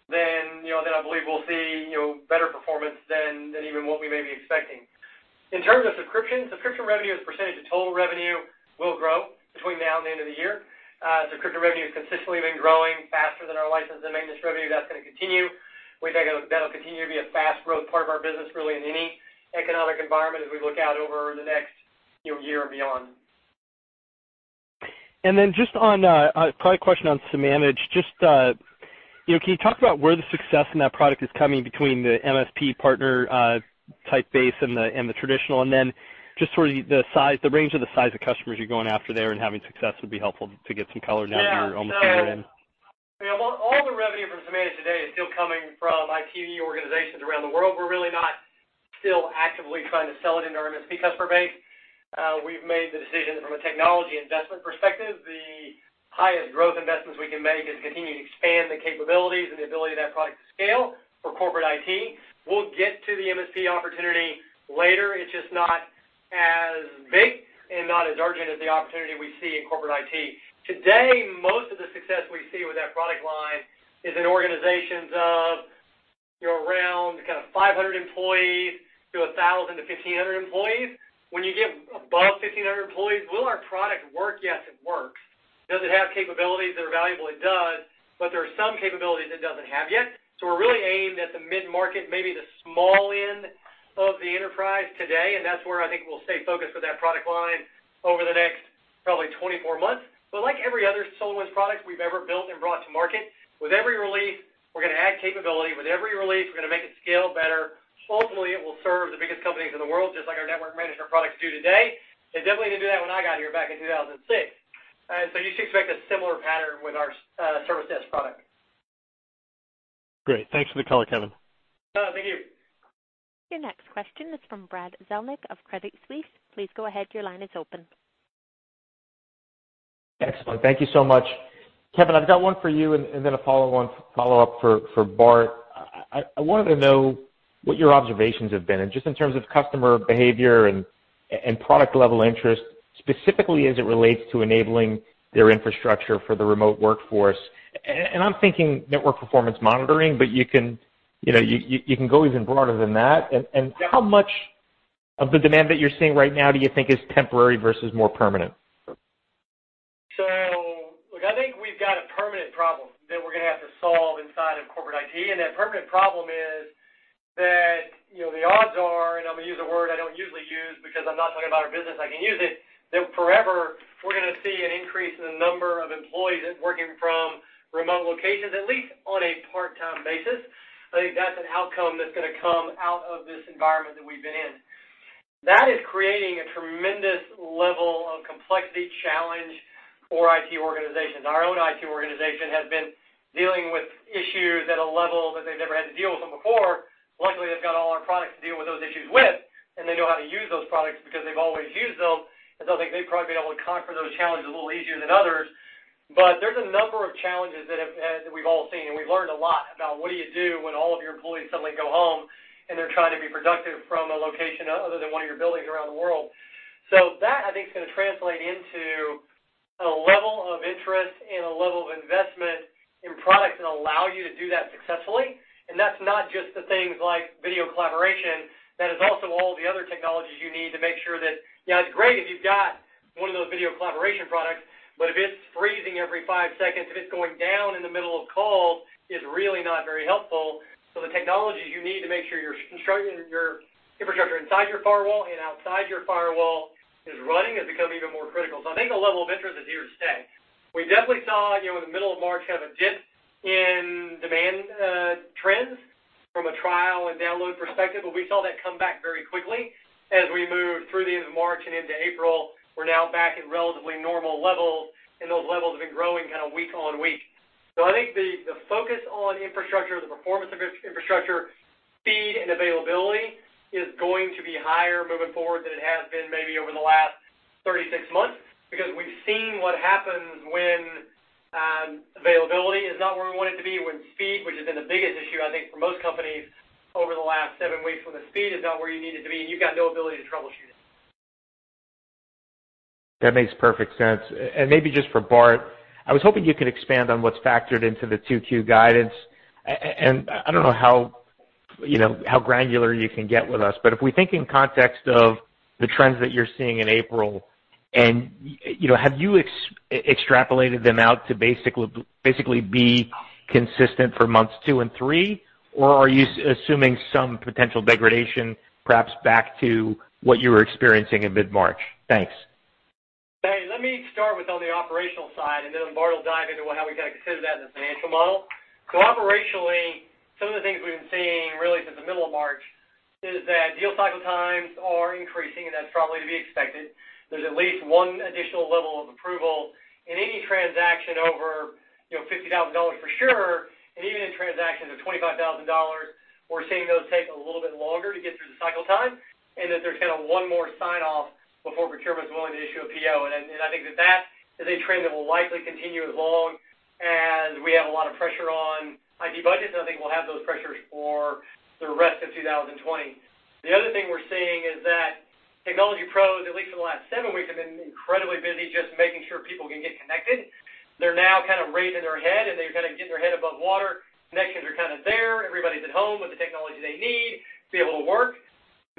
then I believe we'll see better performance than even what we may be expecting. In terms of subscription revenue as a percentage of total revenue will grow between now and the end of the year. Subscription revenue has consistently been growing faster than our license and maintenance revenue. That's going to continue. We think that'll continue to be a fast growth part of our business, really in any economic environment as we look out over the next year and beyond. Just on a product question on Samanage, just can you talk about where the success in that product is coming between the MSP partner type base and the traditional? Just sort of the range of the size of customers you're going after there and having success would be helpful to get some color now that you're almost a year in. All the revenue from Samanage today is still coming from IT organizations around the world. We're really not still actively trying to sell it into our MSP customer base. We've made the decision from a technology investment perspective, the highest growth investments we can make is continuing to expand the capabilities and the ability of that product to scale for corporate IT. We'll get to the MSP opportunity later. It's just not as big and not as urgent as the opportunity we see in corporate IT. Today, most of the success we see with that product line is in organizations of around kind of 500 employees to 1,000 to 1,500 employees. When you get above 1,500 employees, will our product work? Yes, it works. Does it have capabilities that are valuable? It does, but there are some capabilities it doesn't have yet. We're really aimed at the mid-market, maybe the small end of the enterprise today, and that's where I think we'll stay focused with that product line over the next probably 24 months. Like every other SolarWinds product we've ever built and brought to market, with every release, we're going to add capability. With every release, we're going to make it scale better. Hopefully, it will serve the biggest companies in the world, just like our network management products do today. It definitely didn't do that when I got here back in 2006. You should expect a similar pattern with our service desk product. Great. Thanks for the color, Kevin. Thank you. Your next question is from Brad Zelnick of Credit Suisse. Please go ahead. Your line is open. Excellent. Thank you so much. Kevin, I've got one for you and then a follow-up for Bart. I wanted to know what your observations have been, just in terms of customer behavior and product-level interest, specifically as it relates to enabling their infrastructure for the remote workforce. I'm thinking network performance monitoring, but you can go even broader than that. How much of the demand that you're seeing right now do you think is temporary versus more permanent? a problem that we're going to have to solve inside of corporate IT, and that permanent problem is that the odds are, and I'm going to use a word I don't usually use because I'm not talking about our business, I can use it, that forever we're going to see an increase in the number of employees working from remote locations, at least on a part-time basis. I think that's an outcome that's going to come out of this environment that we've been in. That is creating a tremendous level of complexity challenge for IT organizations. Our own IT organization has been dealing with issues at a level that they've never had to deal with them before. Luckily, they've got all our products to deal with those issues with, and they know how to use those products because they've always used those, and so I think they've probably been able to conquer those challenges a little easier than others. There's a number of challenges that we've all seen, and we've learned a lot about what do you do when all of your employees suddenly go home and they're trying to be productive from a location other than one of your buildings around the world. That, I think, is going to translate into a level of interest and a level of investment in products that allow you to do that successfully. That's not just the things like video collaboration, that is also all the other technologies you need to make sure. It's great if you've got one of those video collaboration products, but if it's freezing every five seconds, if it's going down in the middle of calls, it's really not very helpful. The technology you need to make sure your infrastructure inside your firewall and outside your firewall is running has become even more critical. I think the level of interest is here to stay. We definitely saw in the middle of March, kind of, a dip in demand trends from a trial and download perspective, but we saw that come back very quickly as we moved through the end of March and into April. We're now back at relatively normal levels, and those levels have been growing week on week. I think the focus on infrastructure, the performance of infrastructure, speed, and availability is going to be higher moving forward than it has been maybe over the last 36 months, because we've seen what happens when availability is not where we want it to be, when speed, which has been the biggest issue, I think, for most companies over the last seven weeks, when the speed is not where you need it to be and you've got no ability to troubleshoot it. That makes perfect sense. Maybe just for Bart, I was hoping you could expand on what's factored into the 2Q guidance. I don't know how granular you can get with us, but if we think in context of the trends that you're seeing in April, have you extrapolated them out to basically be consistent for months two and three? Are you assuming some potential degradation, perhaps back to what you were experiencing in mid-March? Thanks. Hey, let me start with on the operational side, and then Bart will dive into how we kind of consider that in the financial model. Operationally, some of the things we've been seeing really since the middle of March is that deal cycle times are increasing, and that's probably to be expected. There's at least one additional level of approval in any transaction over $50,000 for sure, and even in transactions of $25,000, we're seeing those take a little bit longer to get through the cycle time, and that there's kind of one more sign-off before procurement is willing to issue a PO. I think that that is a trend that will likely continue as long as we have a lot of pressure on IT budgets, and I think we'll have those pressures for the rest of 2020. The other thing we're seeing is that technology pros, at least in the last seven weeks, have been incredibly busy just making sure people can get connected. They're now kind of raising their head, and they've got to get their head above water. Connections are kind of there. Everybody's at home with the technology they need to be able to work.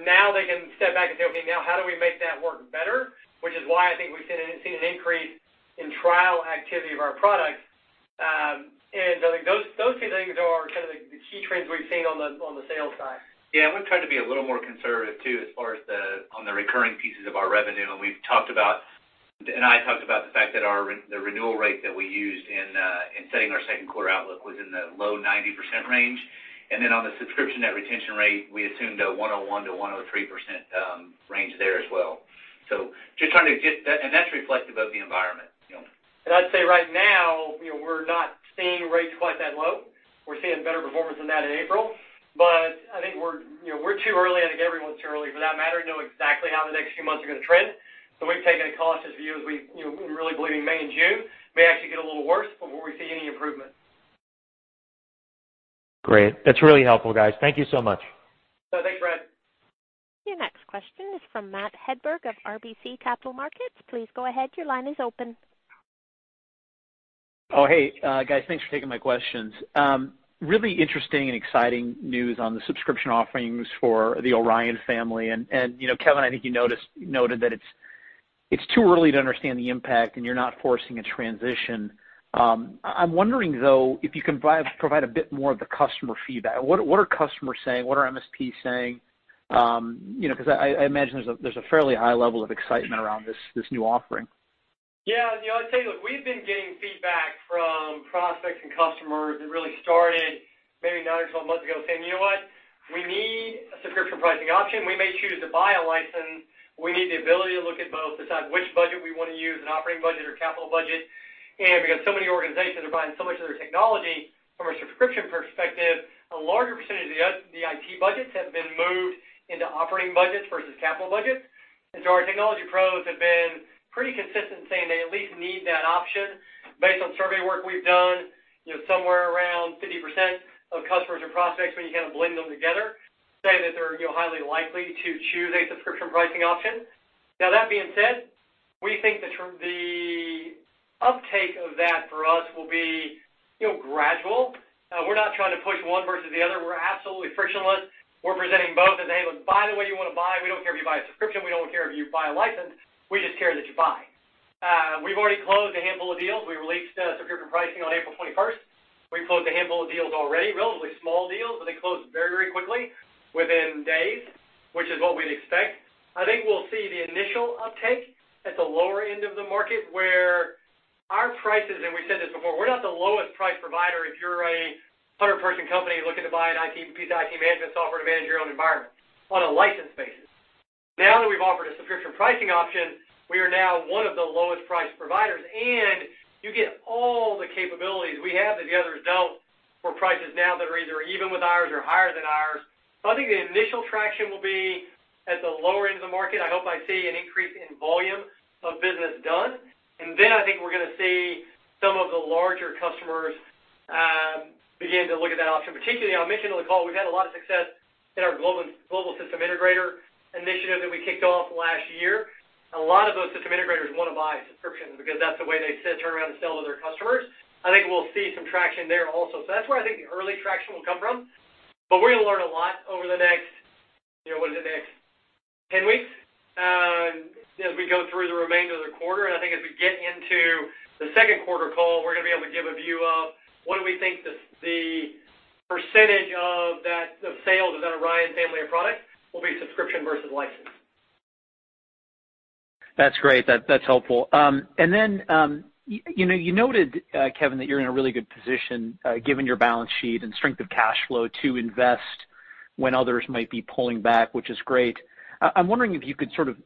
Now they can step back and say, "Okay, now how do we make that work better?" Which is why I think we've seen an increase in trial activity of our products. Those two things are kind of the key trends we've seen on the sales side. We've tried to be a little more conservative, too, as far as on the recurring pieces of our revenue. I talked about the fact that the renewal rate that we used in setting our second quarter outlook was in the low 90% range. On the subscription net retention rate, we assumed a 101%-103% range there as well. That's reflective of the environment. I'd say right now, we're not seeing rates quite that low. We're seeing better performance than that in April. I think we're too early, and I think everyone's too early, for that matter, to know exactly how the next few months are going to trend. We've taken a cautious view. We really believe in May and June, may actually get a little worse before we see any improvement. Great. That's really helpful, guys. Thank you so much. Thanks, Brad. Your next question is from Matt Hedberg of RBC Capital Markets. Please go ahead. Your line is open. Oh, hey, guys. Thanks for taking my questions. Really interesting and exciting news on the subscription offerings for the Orion Platform. Kevin, I think you noted that it's too early to understand the impact and you're not forcing a transition. I'm wondering, though, if you can provide a bit more of the customer feedback. What are customers saying? What are MSPs saying? I imagine there's a fairly high level of excitement around this new offering. Yeah, I'll tell you, look, we've been getting feedback from prospects and customers. It really started maybe nine or 12 months ago saying, "You know what. We need a subscription pricing option." We may choose to buy a license. We need the ability to look at both, decide which budget we want to use, an operating budget or capital budget. Because so many organizations are buying so much of their technology from a subscription perspective, a larger percentage of the IT budgets have been moved into operating budgets versus capital budgets. Our technology pros have been pretty consistent saying they at least need that option. Based on survey work we've done, somewhere around 50% of customers or prospects, when you kind of blend them together, say that they're highly likely to choose a subscription pricing option. That being said, we think the uptake of that for us will be gradual. We're not trying to push one versus the other. We're absolutely frictionless. We're presenting both and saying, "Look, buy the way you want to buy. We don't care if you buy a subscription, we don't care if you buy a license. We just care that you buy." We've already closed a handful of deals. We released subscription pricing on April 21st. We closed a handful of deals already, relatively small deals, but they closed very quickly, within days, which is what we'd expect. I think we'll see the initial uptake at the lower end of the market where our prices, and we said this before, we're not the lowest price provider if you're a 100-person company looking to buy an IT piece, IT management software to manage your own environment on a license basis. Now that we've offered a subscription pricing option, we are now one of the lowest priced providers, and you get all the capabilities we have that the others don't for prices now that are either even with ours or higher than ours. I think the initial traction will be at the lower end of the market. I hope I see an increase in volume of business done, and then I think we're going to see some of the larger customers begin to look at that option. Particularly, I mentioned on the call, we've had a lot of success in our global system integrator initiative that we kicked off last year. A lot of those system integrators want to buy subscriptions because that's the way they turn around and sell to their customers. I think we'll see some traction there also. That's where I think the early traction will come from. We're going to learn a lot over the next 10 weeks, as we go through the remainder of the quarter. I think as we get into the second quarter call, we're going to be able to give a view of what do we think the percentage of sales of that Orion family of products will be subscription versus license. That's great. That's helpful. You noted, Kevin, that you're in a really good position given your balance sheet and strength of cash flow to invest when others might be pulling back, which is great. I'm wondering if you could sort of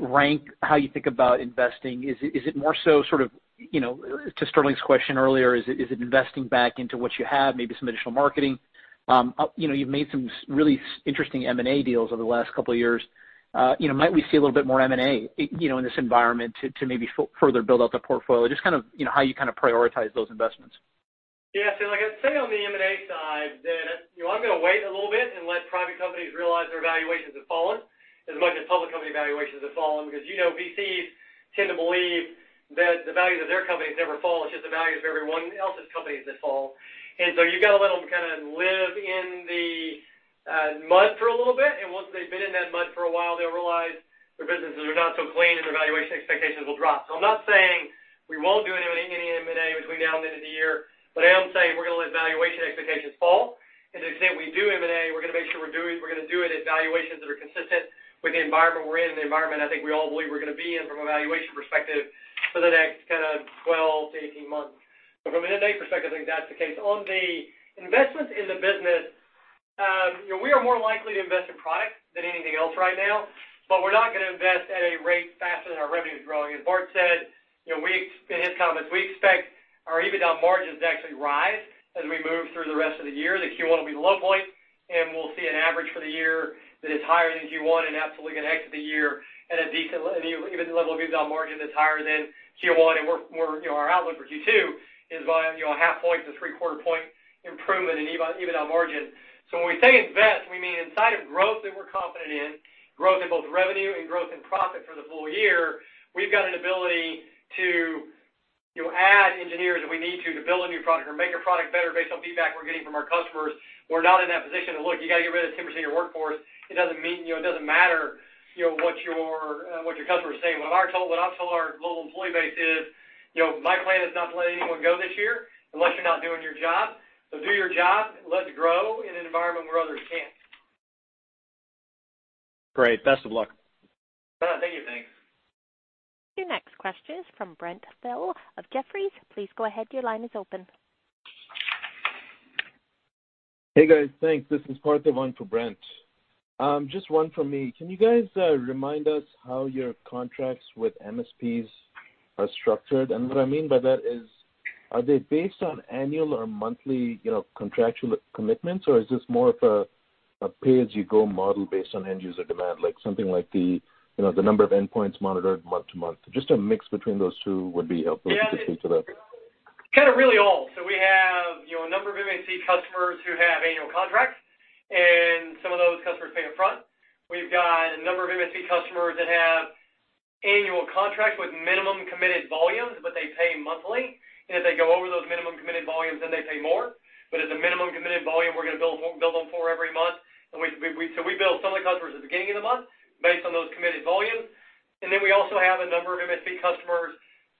rank how you think about investing. Is it more so sort of, to Sterling's question earlier, is it investing back into what you have, maybe some additional marketing? You've made some really interesting M&A deals over the last couple of years. Might we see a little bit more M&A in this environment to maybe further build out the portfolio? Just how you kind of prioritize those investments. Yeah. Like I said, on the M&A side, I'm going to wait a little bit and let private companies realize their valuations have fallen as much as public company valuations have fallen because VCs tend to believe that the value of their companies never fall. It's just the values of everyone else's companies that fall. You've got to let them kind of live in the mud for a little bit. Once they've been in that mud for a while, they'll realize their businesses are not so clean, and their valuation expectations will drop. I'm not saying we won't do any M&A between now and the end of the year, but I am saying we're going to let valuation expectations fall. To the extent we do M&A, we're going to make sure we're doing it at valuations that are consistent with the environment we're in and the environment I think we all believe we're going to be in from a valuation perspective for the next kind of 12 to 18 months. From an M&A perspective, I think that's the case. On the investments in the business, we are more likely to invest in product than anything else right now, but we're not going to invest at a rate faster than our revenue is growing. As Bart said in his comments, we expect our EBITDA margins to actually rise as we move through the rest of the year. The Q1 will be the low point, and we'll see an average for the year that is higher than Q1 and absolutely going to exit the year at a decent level of EBITDA margin that's higher than Q1. Our outlook for Q2 is a 0.5 point to three-quarter point improvement in EBITDA margin. When we say invest, we mean inside of growth that we're confident in, growth in both revenue and growth in profit for the full year. We've got an ability to add engineers if we need to build a new product or make our product better based on feedback we're getting from our customers. We're not in that position of, "Look, you got to get rid of 10% of your workforce." It doesn't matter what your customer is saying. What I've told our global employee base is, my plan is not to let anyone go this year unless you're not doing your job. Do your job and let it grow in an environment where others can't. Great. Best of luck. Thank you. Thanks. Your next question is from Brent Thill of Jefferies. Please go ahead. Your line is open. Hey, guys. Thanks. This is Kartik. I'm on for Brent. Just one from me. Can you guys remind us how your contracts with MSPs are structured? What I mean by that is, are they based on annual or monthly contractual commitments, or is this more of a pay-as-you-go model based on end user demand? Like something like the number of endpoints monitored month to month. Just a mix between those two would be helpful to think through. Kind of really all. We have a number of MSP customers who have annual contracts, and some of those customers pay up front. We've got a number of MSP customers that have annual contracts with minimum committed volumes, but they pay monthly. If they go over those minimum committed volumes, then they pay more. It's a minimum committed volume we're going to bill them for every month. We bill some of the customers at the beginning of the month based on those committed volumes. We also have a number of MSP customers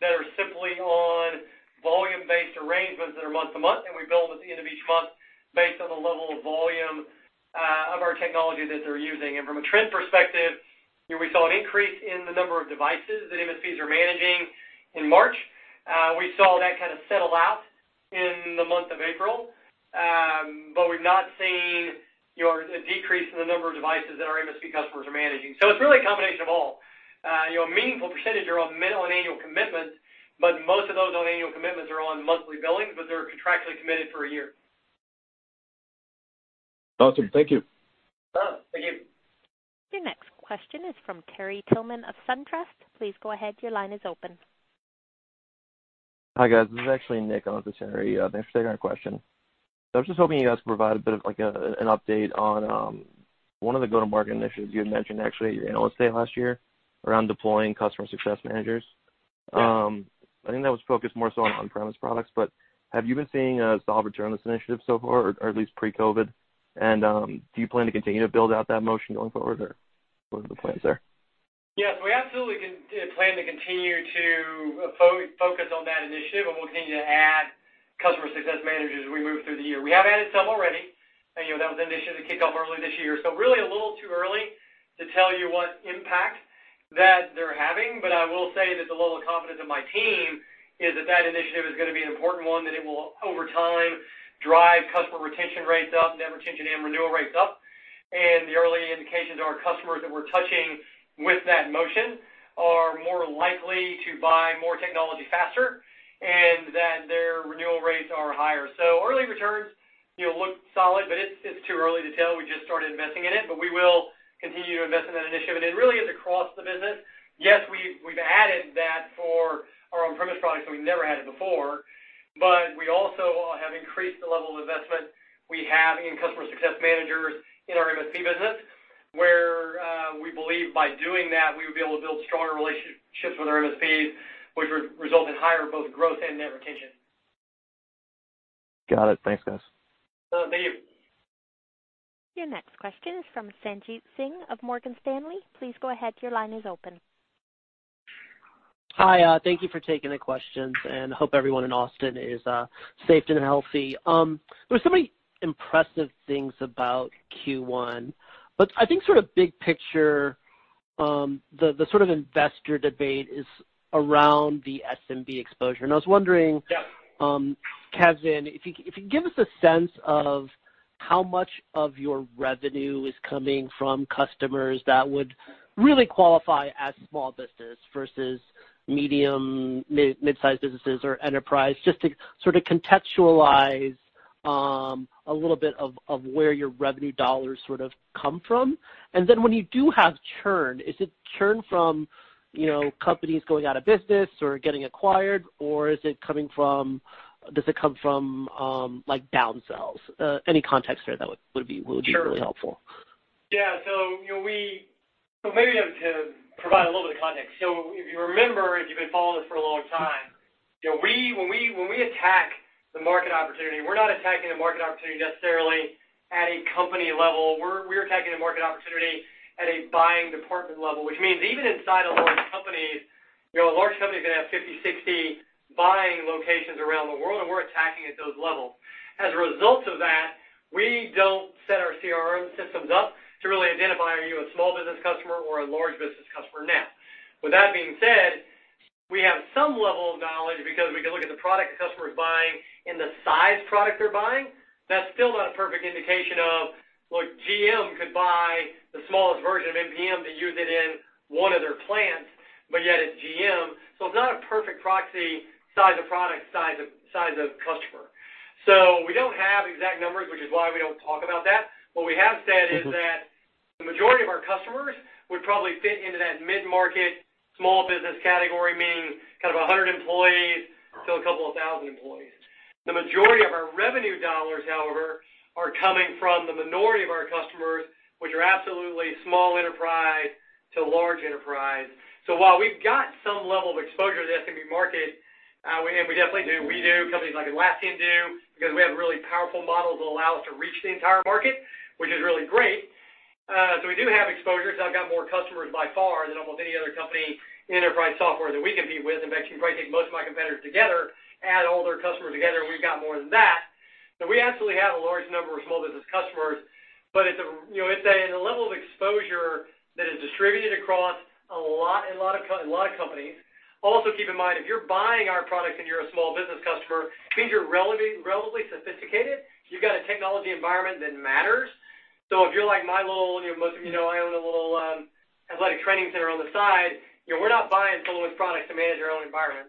that are simply on volume-based arrangements that are month to month, and we bill them at the end of each month based on the level of volume of our technology that they're using. From a trend perspective, we saw an increase in the number of devices that MSPs are managing in March. We saw that kind of settle out in the month of April. We've not seen a decrease in the number of devices that our MSP customers are managing. It's really a combination of all. A meaningful percentage are on annual commitments, but most of those on annual commitments are on monthly billing, but they're contractually committed for a year. Awesome. Thank you. Thank you. Your next question is from Terry Tillman of SunTrust. Please go ahead. Your line is open. Hi, guys. This is actually Nick. I'm with Terry. Thanks for taking our question. I was just hoping you guys could provide a bit of an update on one of the go-to-market initiatives you had mentioned actually at Analyst Day last year around deploying customer success managers. I think that was focused more so on on-premise products. Have you been seeing a solid return on this initiative so far, or at least pre-COVID? Do you plan to continue to build out that motion going forward, or what are the plans there? Yes, we absolutely plan to continue to focus on that initiative, and we'll continue to add customer success managers as we move through the year. We have added some already, and that was an initiative that kicked off early this year. Really a little too early to tell you what impact that they're having. I will say that the level of confidence in my team is that initiative is going to be an important one, that it will, over time, drive customer retention rates up, net retention and renewal rates up. The early indications are customers that we're touching with that motion are more likely to buy more technology faster, and that their renewal rates are higher. Early returns look solid, but it's too early to tell. We just started investing in it. We will continue to invest in that initiative, and it really is across the business. Yes, we've added that for our on-premise products that we never added before, but we also have increased the level of investment we have in customer success managers in our MSP business, where we believe by doing that, we would be able to build stronger relationships with our MSPs, which would result in higher both growth and net retention. Got it. Thanks, guys. No, thank you. Your next question is from Sanjit Singh of Morgan Stanley. Please go ahead. Your line is open. Hi. Thank you for taking the questions. Hope everyone in Austin is safe and healthy. There were so many impressive things about Q1. I think sort of big picture, the sort of investor debate is around the SMB exposure. Yeah Kevin, if you could give us a sense of how much of your revenue is coming from customers that would really qualify as small business versus medium, mid-sized businesses or enterprise, just to sort of contextualize a little bit of where your revenue dollars sort of come from. When you do have churn, is it churn from companies going out of business or getting acquired, or does it come from down sales? Any context there that would be really helpful. Sure. Yeah. Maybe to provide a little bit of context. If you remember, if you've been following us for a long time, when we attack the market opportunity, we're not attacking the market opportunity necessarily at a company level. We're attacking the market opportunity at a buying department level, which means even inside of large companies, a large company is going to have 50, 60 buying locations around the world, and we're attacking at those levels. As a result of that, we don't set our CRM systems up to really identify, are you a small business customer or a large business customer? Now, with that being said, we have some level of knowledge because we can look at the product the customer is buying and the size product they're buying. That's still not a perfect indication of, look, GM could buy the smallest version of NPM to use it in one of their plants, but yet it's GM. It's not a perfect proxy, size of product, size of customer. We don't have exact numbers, which is why we don't talk about that. What we have said is that the majority of our customers would probably fit into that mid-market, small business category, meaning kind of 100 employees to 2,000 employees. The majority of our revenue dollars, however, are coming from the minority of our customers, which are absolutely small enterprise to large enterprise. While we've got some level of exposure to the SMB market, and we definitely do, we do, companies like Atlassian do, because we have really powerful models that allow us to reach the entire market, which is really great. We do have exposure, so I've got more customers by far than almost any other company in enterprise software that we compete with. In fact, you probably take most of my competitors together, add all their customers together, we've got more than that. We absolutely have a large number of small business customers, but it's a level of exposure that is distributed across a lot of companies. Also keep in mind, if you're buying our product and you're a small business customer, it means you're relatively sophisticated. You've got a technology environment that matters. If you're like my little-- most of you know I own a little athletic training center on the side, we're not buying SolarWinds products to manage our own environment.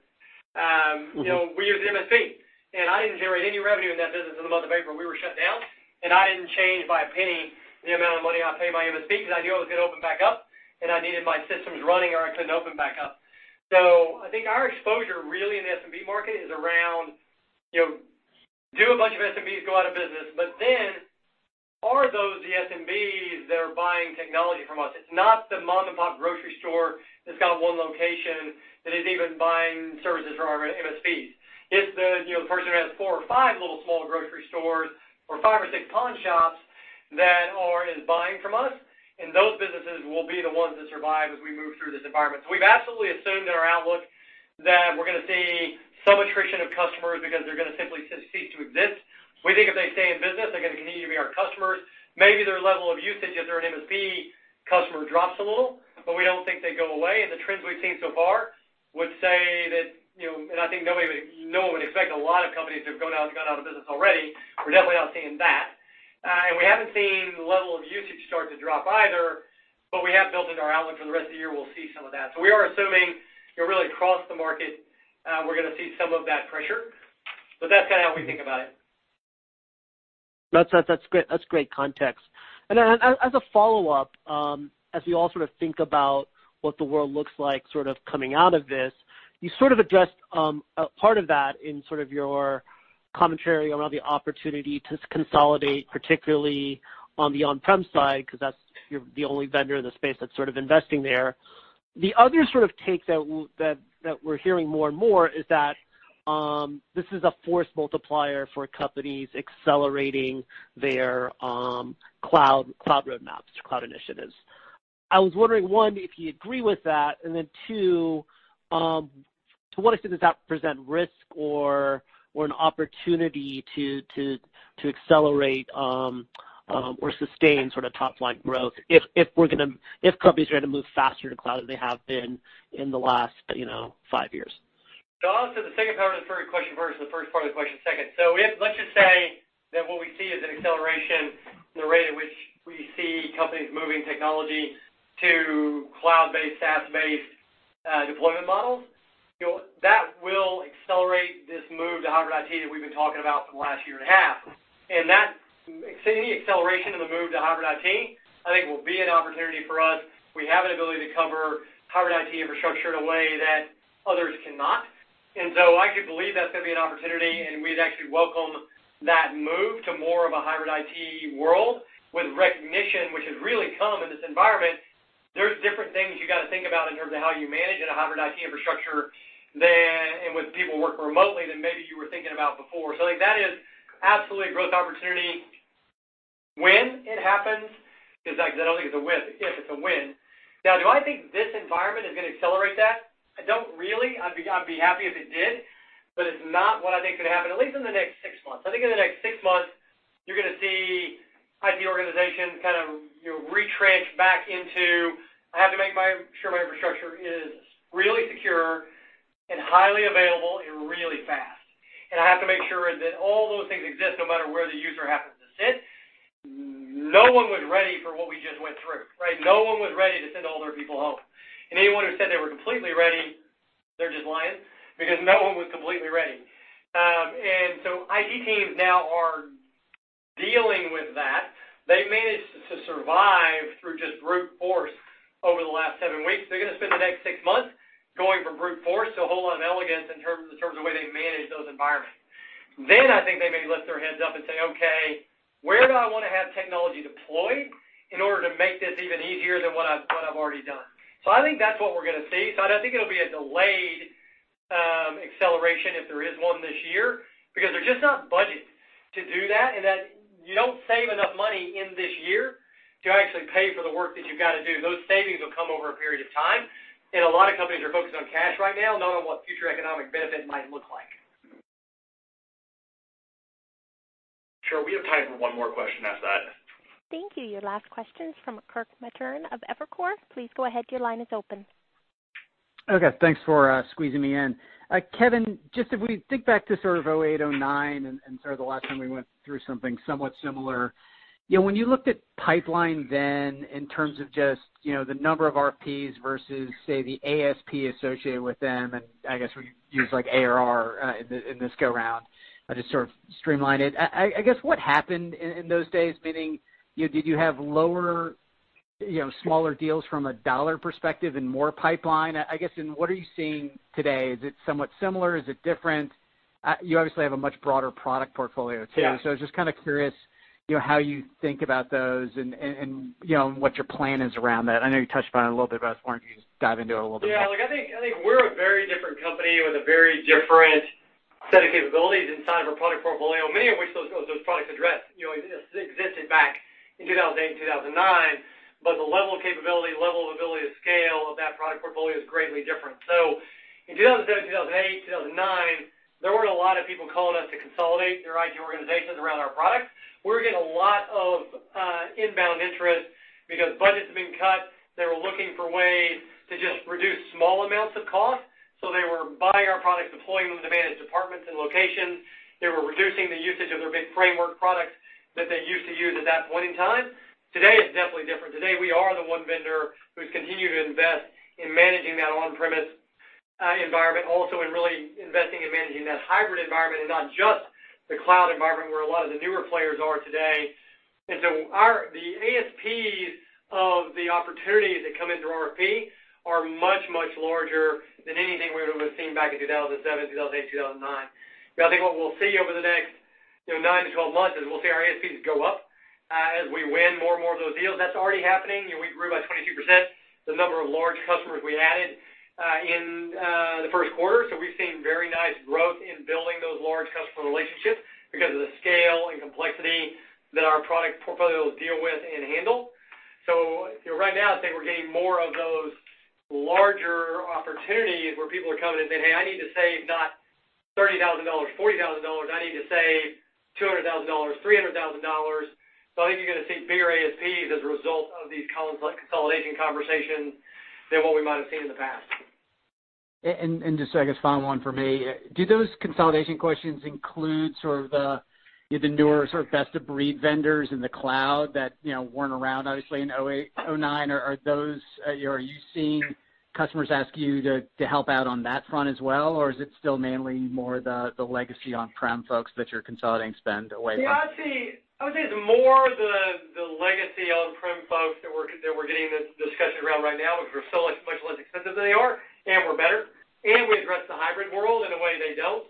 We use an MSP. I didn't generate any revenue in that business in the month of April. We were shut down, and I didn't change by a penny the amount of money I pay my MSP because I knew I was going to open back up, and I needed my systems running or I couldn't open back up. I think our exposure really in the SMB market is around, do a bunch of SMBs go out of business? Are those the SMBs that are buying technology from us? It's not the mom-and-pop grocery store that's got one location that is even buying services from our MSPs. It's the person who has four or five little small grocery stores or five or six pawn shops that is buying from us, and those businesses will be the ones that survive as we move through this environment. We've absolutely assumed in our outlook that we're going to see some attrition of customers because they're going to simply cease to exist. We think if they stay in business, they're going to continue to be our customers. Maybe their level of usage if they're an MSP customer drops a little, but we don't think they go away. The trends we've seen so far would say that, I think no one would expect a lot of companies to have gone out of business already. We're definitely not seeing that. We haven't seen the level of usage start to drop either, but we have built into our outlook for the rest of the year, we'll see some of that. We are assuming really across the market, we're going to see some of that pressure. That's kind of how we think about it. That's great context. As a follow-up, as we all sort of think about what the world looks like sort of coming out of this, you sort of addressed part of that in sort of your commentary around the opportunity to consolidate, particularly on the on-prem side, because that's the only vendor in the space that's sort of investing there. The other sort of take that we're hearing more and more is that this is a force multiplier for companies accelerating their cloud roadmaps or cloud initiatives. I was wondering, one, if you agree with that, and then two, to what extent does that present risk or an opportunity to accelerate or sustain sort of top-line growth if companies are going to move faster to cloud than they have been in the last five years? I'll answer the second part of the third question first and the first part of the question second. Let's just say that what we see is an acceleration in the rate at which we see companies moving technology to cloud-based, SaaS-based deployment models. That will accelerate this move to hybrid IT that we've been talking about for the last year and a half. Any acceleration in the move to hybrid IT, I think will be an opportunity for us. We have an ability to cover hybrid IT infrastructure in a way that others cannot. I could believe that's going to be an opportunity, and we'd actually welcome that move to more of a hybrid IT world with recognition, which has really come in this environment. There's different things you got to think about in terms of how you manage in a hybrid IT infrastructure, and with people working remotely, than maybe you were thinking about before. I think that is absolutely a growth opportunity. When it happens because I don't think it's a. If it's a win. Do I think this environment is going to accelerate that? I don't really. I'd be happy if it did, but it's not what I think is going to happen, at least in the next six months. I think in the next six months, you're going to see IT organizations kind of retrench back into, "I have to make sure my infrastructure is really secure and highly available and really fast. I have to make sure that all those things exist no matter where the user happens to sit." No one was ready for what we just went through, right? No one was ready to send all their people home. Anyone who said they were completely ready, they're just lying because no one was completely ready. IT teams now are dealing with that. They managed to survive through just brute force over the last seven weeks. They're going to spend the next six months going from brute force to a whole lot of elegance in terms of the way they manage those environments. I think they may lift their heads up and say, "Okay, where do I want to have technology deployed in order to make this even easier than what I've already done?" I think that's what we're going to see. I think it'll be a delayed acceleration if there is one this year, because there's just not budget to do that and that you don't save enough money in this year to actually pay for the work that you've got to do. Those savings will come over a period of time. A lot of companies are focused on cash right now, not on what future economic benefit might look like. Sure. We have time for one more question after that. Thank you. Your last question is from Kirk Materne of Evercore. Please go ahead. Your line is open. Okay. Thanks for squeezing me in. Kevin, just if we think back to sort of 2008, 2009, and sort of the last time we went through something somewhat similar. When you looked at pipeline then in terms of just the number of RFPs versus, say, the ASP associated with them, and I guess we use like ARR in this go round, I just sort of streamline it. I guess what happened in those days, meaning, did you have lower, smaller deals from a dollar perspective and more pipeline? I guess, what are you seeing today? Is it somewhat similar? Is it different? You obviously have a much broader product portfolio too. Yeah. Just kind of curious how you think about those and what your plan is around that. I know you touched upon it a little bit, but I just want you to just dive into it a little bit. Yeah. Look, I think we're a very different company with a very different set of capabilities inside of our product portfolio, many of which those products address, existed back in 2008 and 2009, but the level of capability, level of ability to scale of that product portfolio is greatly different. In 2007, 2008, 2009, there weren't a lot of people calling us to consolidate their IT organizations around our products. We were getting a lot of inbound interest because budgets had been cut. They were looking for ways to just reduce small amounts of cost. They were buying our products, deploying them to manage departments and locations. They were reducing the usage of their big framework products that they used to use at that point in time. Today is definitely different. Today, we are the one vendor who's continued to invest in managing that on-premise environment, also in really investing in managing that hybrid environment and not just the cloud environment where a lot of the newer players are today. The ASPs of the opportunities that come into our RFP are much, much larger than anything we would have seen back in 2007, 2008, 2009. I think what we'll see over the next nine to 12 months is we'll see our ASPs go up as we win more and more of those deals. That's already happening. We grew by 22% the number of large customers we added in the first quarter. We've seen very nice growth in building those large customer relationships because of the scale and complexity that our product portfolios deal with and handle. Right now, I think we're getting more of those larger opportunities where people are coming and saying, "Hey, I need to save not $30,000, $40,000. I need to save $200,000, $300,000." I think you're going to see bigger ASPs as a result of these consolidation conversations than what we might have seen in the past. I guess final one for me, do those consolidation questions include sort of the newer sort of best-of-breed vendors in the cloud that weren't around, obviously, in 2008, 2009? Are you seeing customers ask you to help out on that front as well? Is it still mainly more the legacy on-prem folks that you're consolidating spend away from? I would say it's more the legacy on-prem folks that we're getting this discussion around right now because we're so much less expensive than they are, and we're better, and we address the hybrid world in a way they don't.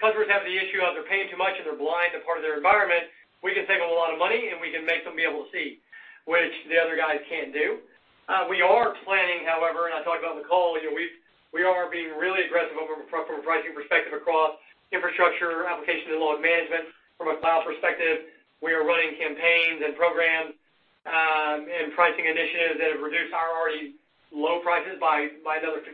Customers have the issue of they're paying too much and they're blind to part of their environment. We can save them a lot of money, and we can make them be able to see, which the other guys can't do. We are planning, however, and I talked about on the call, we are being really aggressive from a pricing perspective across infrastructure, application, and [load management]. From a cloud perspective, we are running campaigns and programs, and pricing initiatives that have reduced our already low prices by another 50%.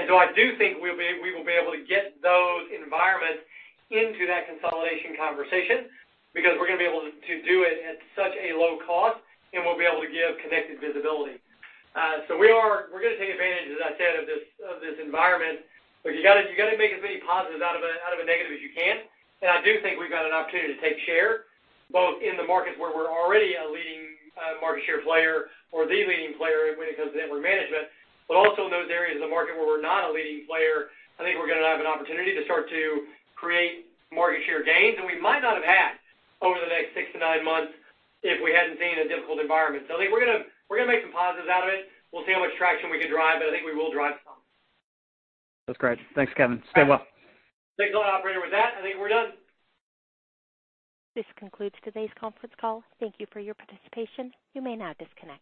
I do think we will be able to get those environments into that consolidation conversation because we're going to be able to do it at such a low cost, and we'll be able to give connected visibility. We're going to take advantage, as I said, of this environment. Look, you got to make as many positives out of a negative as you can. I do think we've got an opportunity to take share, both in the markets where we're already a leading market share player or the leading player when it comes to network management, but also in those areas of the market where we're not a leading player. I think we're going to have an opportunity to start to create market share gains that we might not have had over the next six to nine months if we hadn't been in a difficult environment. I think we're going to make some positives out of it. We'll see how much traction we can drive, but I think we will drive some. That's great. Thanks, Kevin. Stay well. Thanks a lot, operator. With that, I think we're done. This concludes today's conference call. Thank you for your participation. You may now disconnect.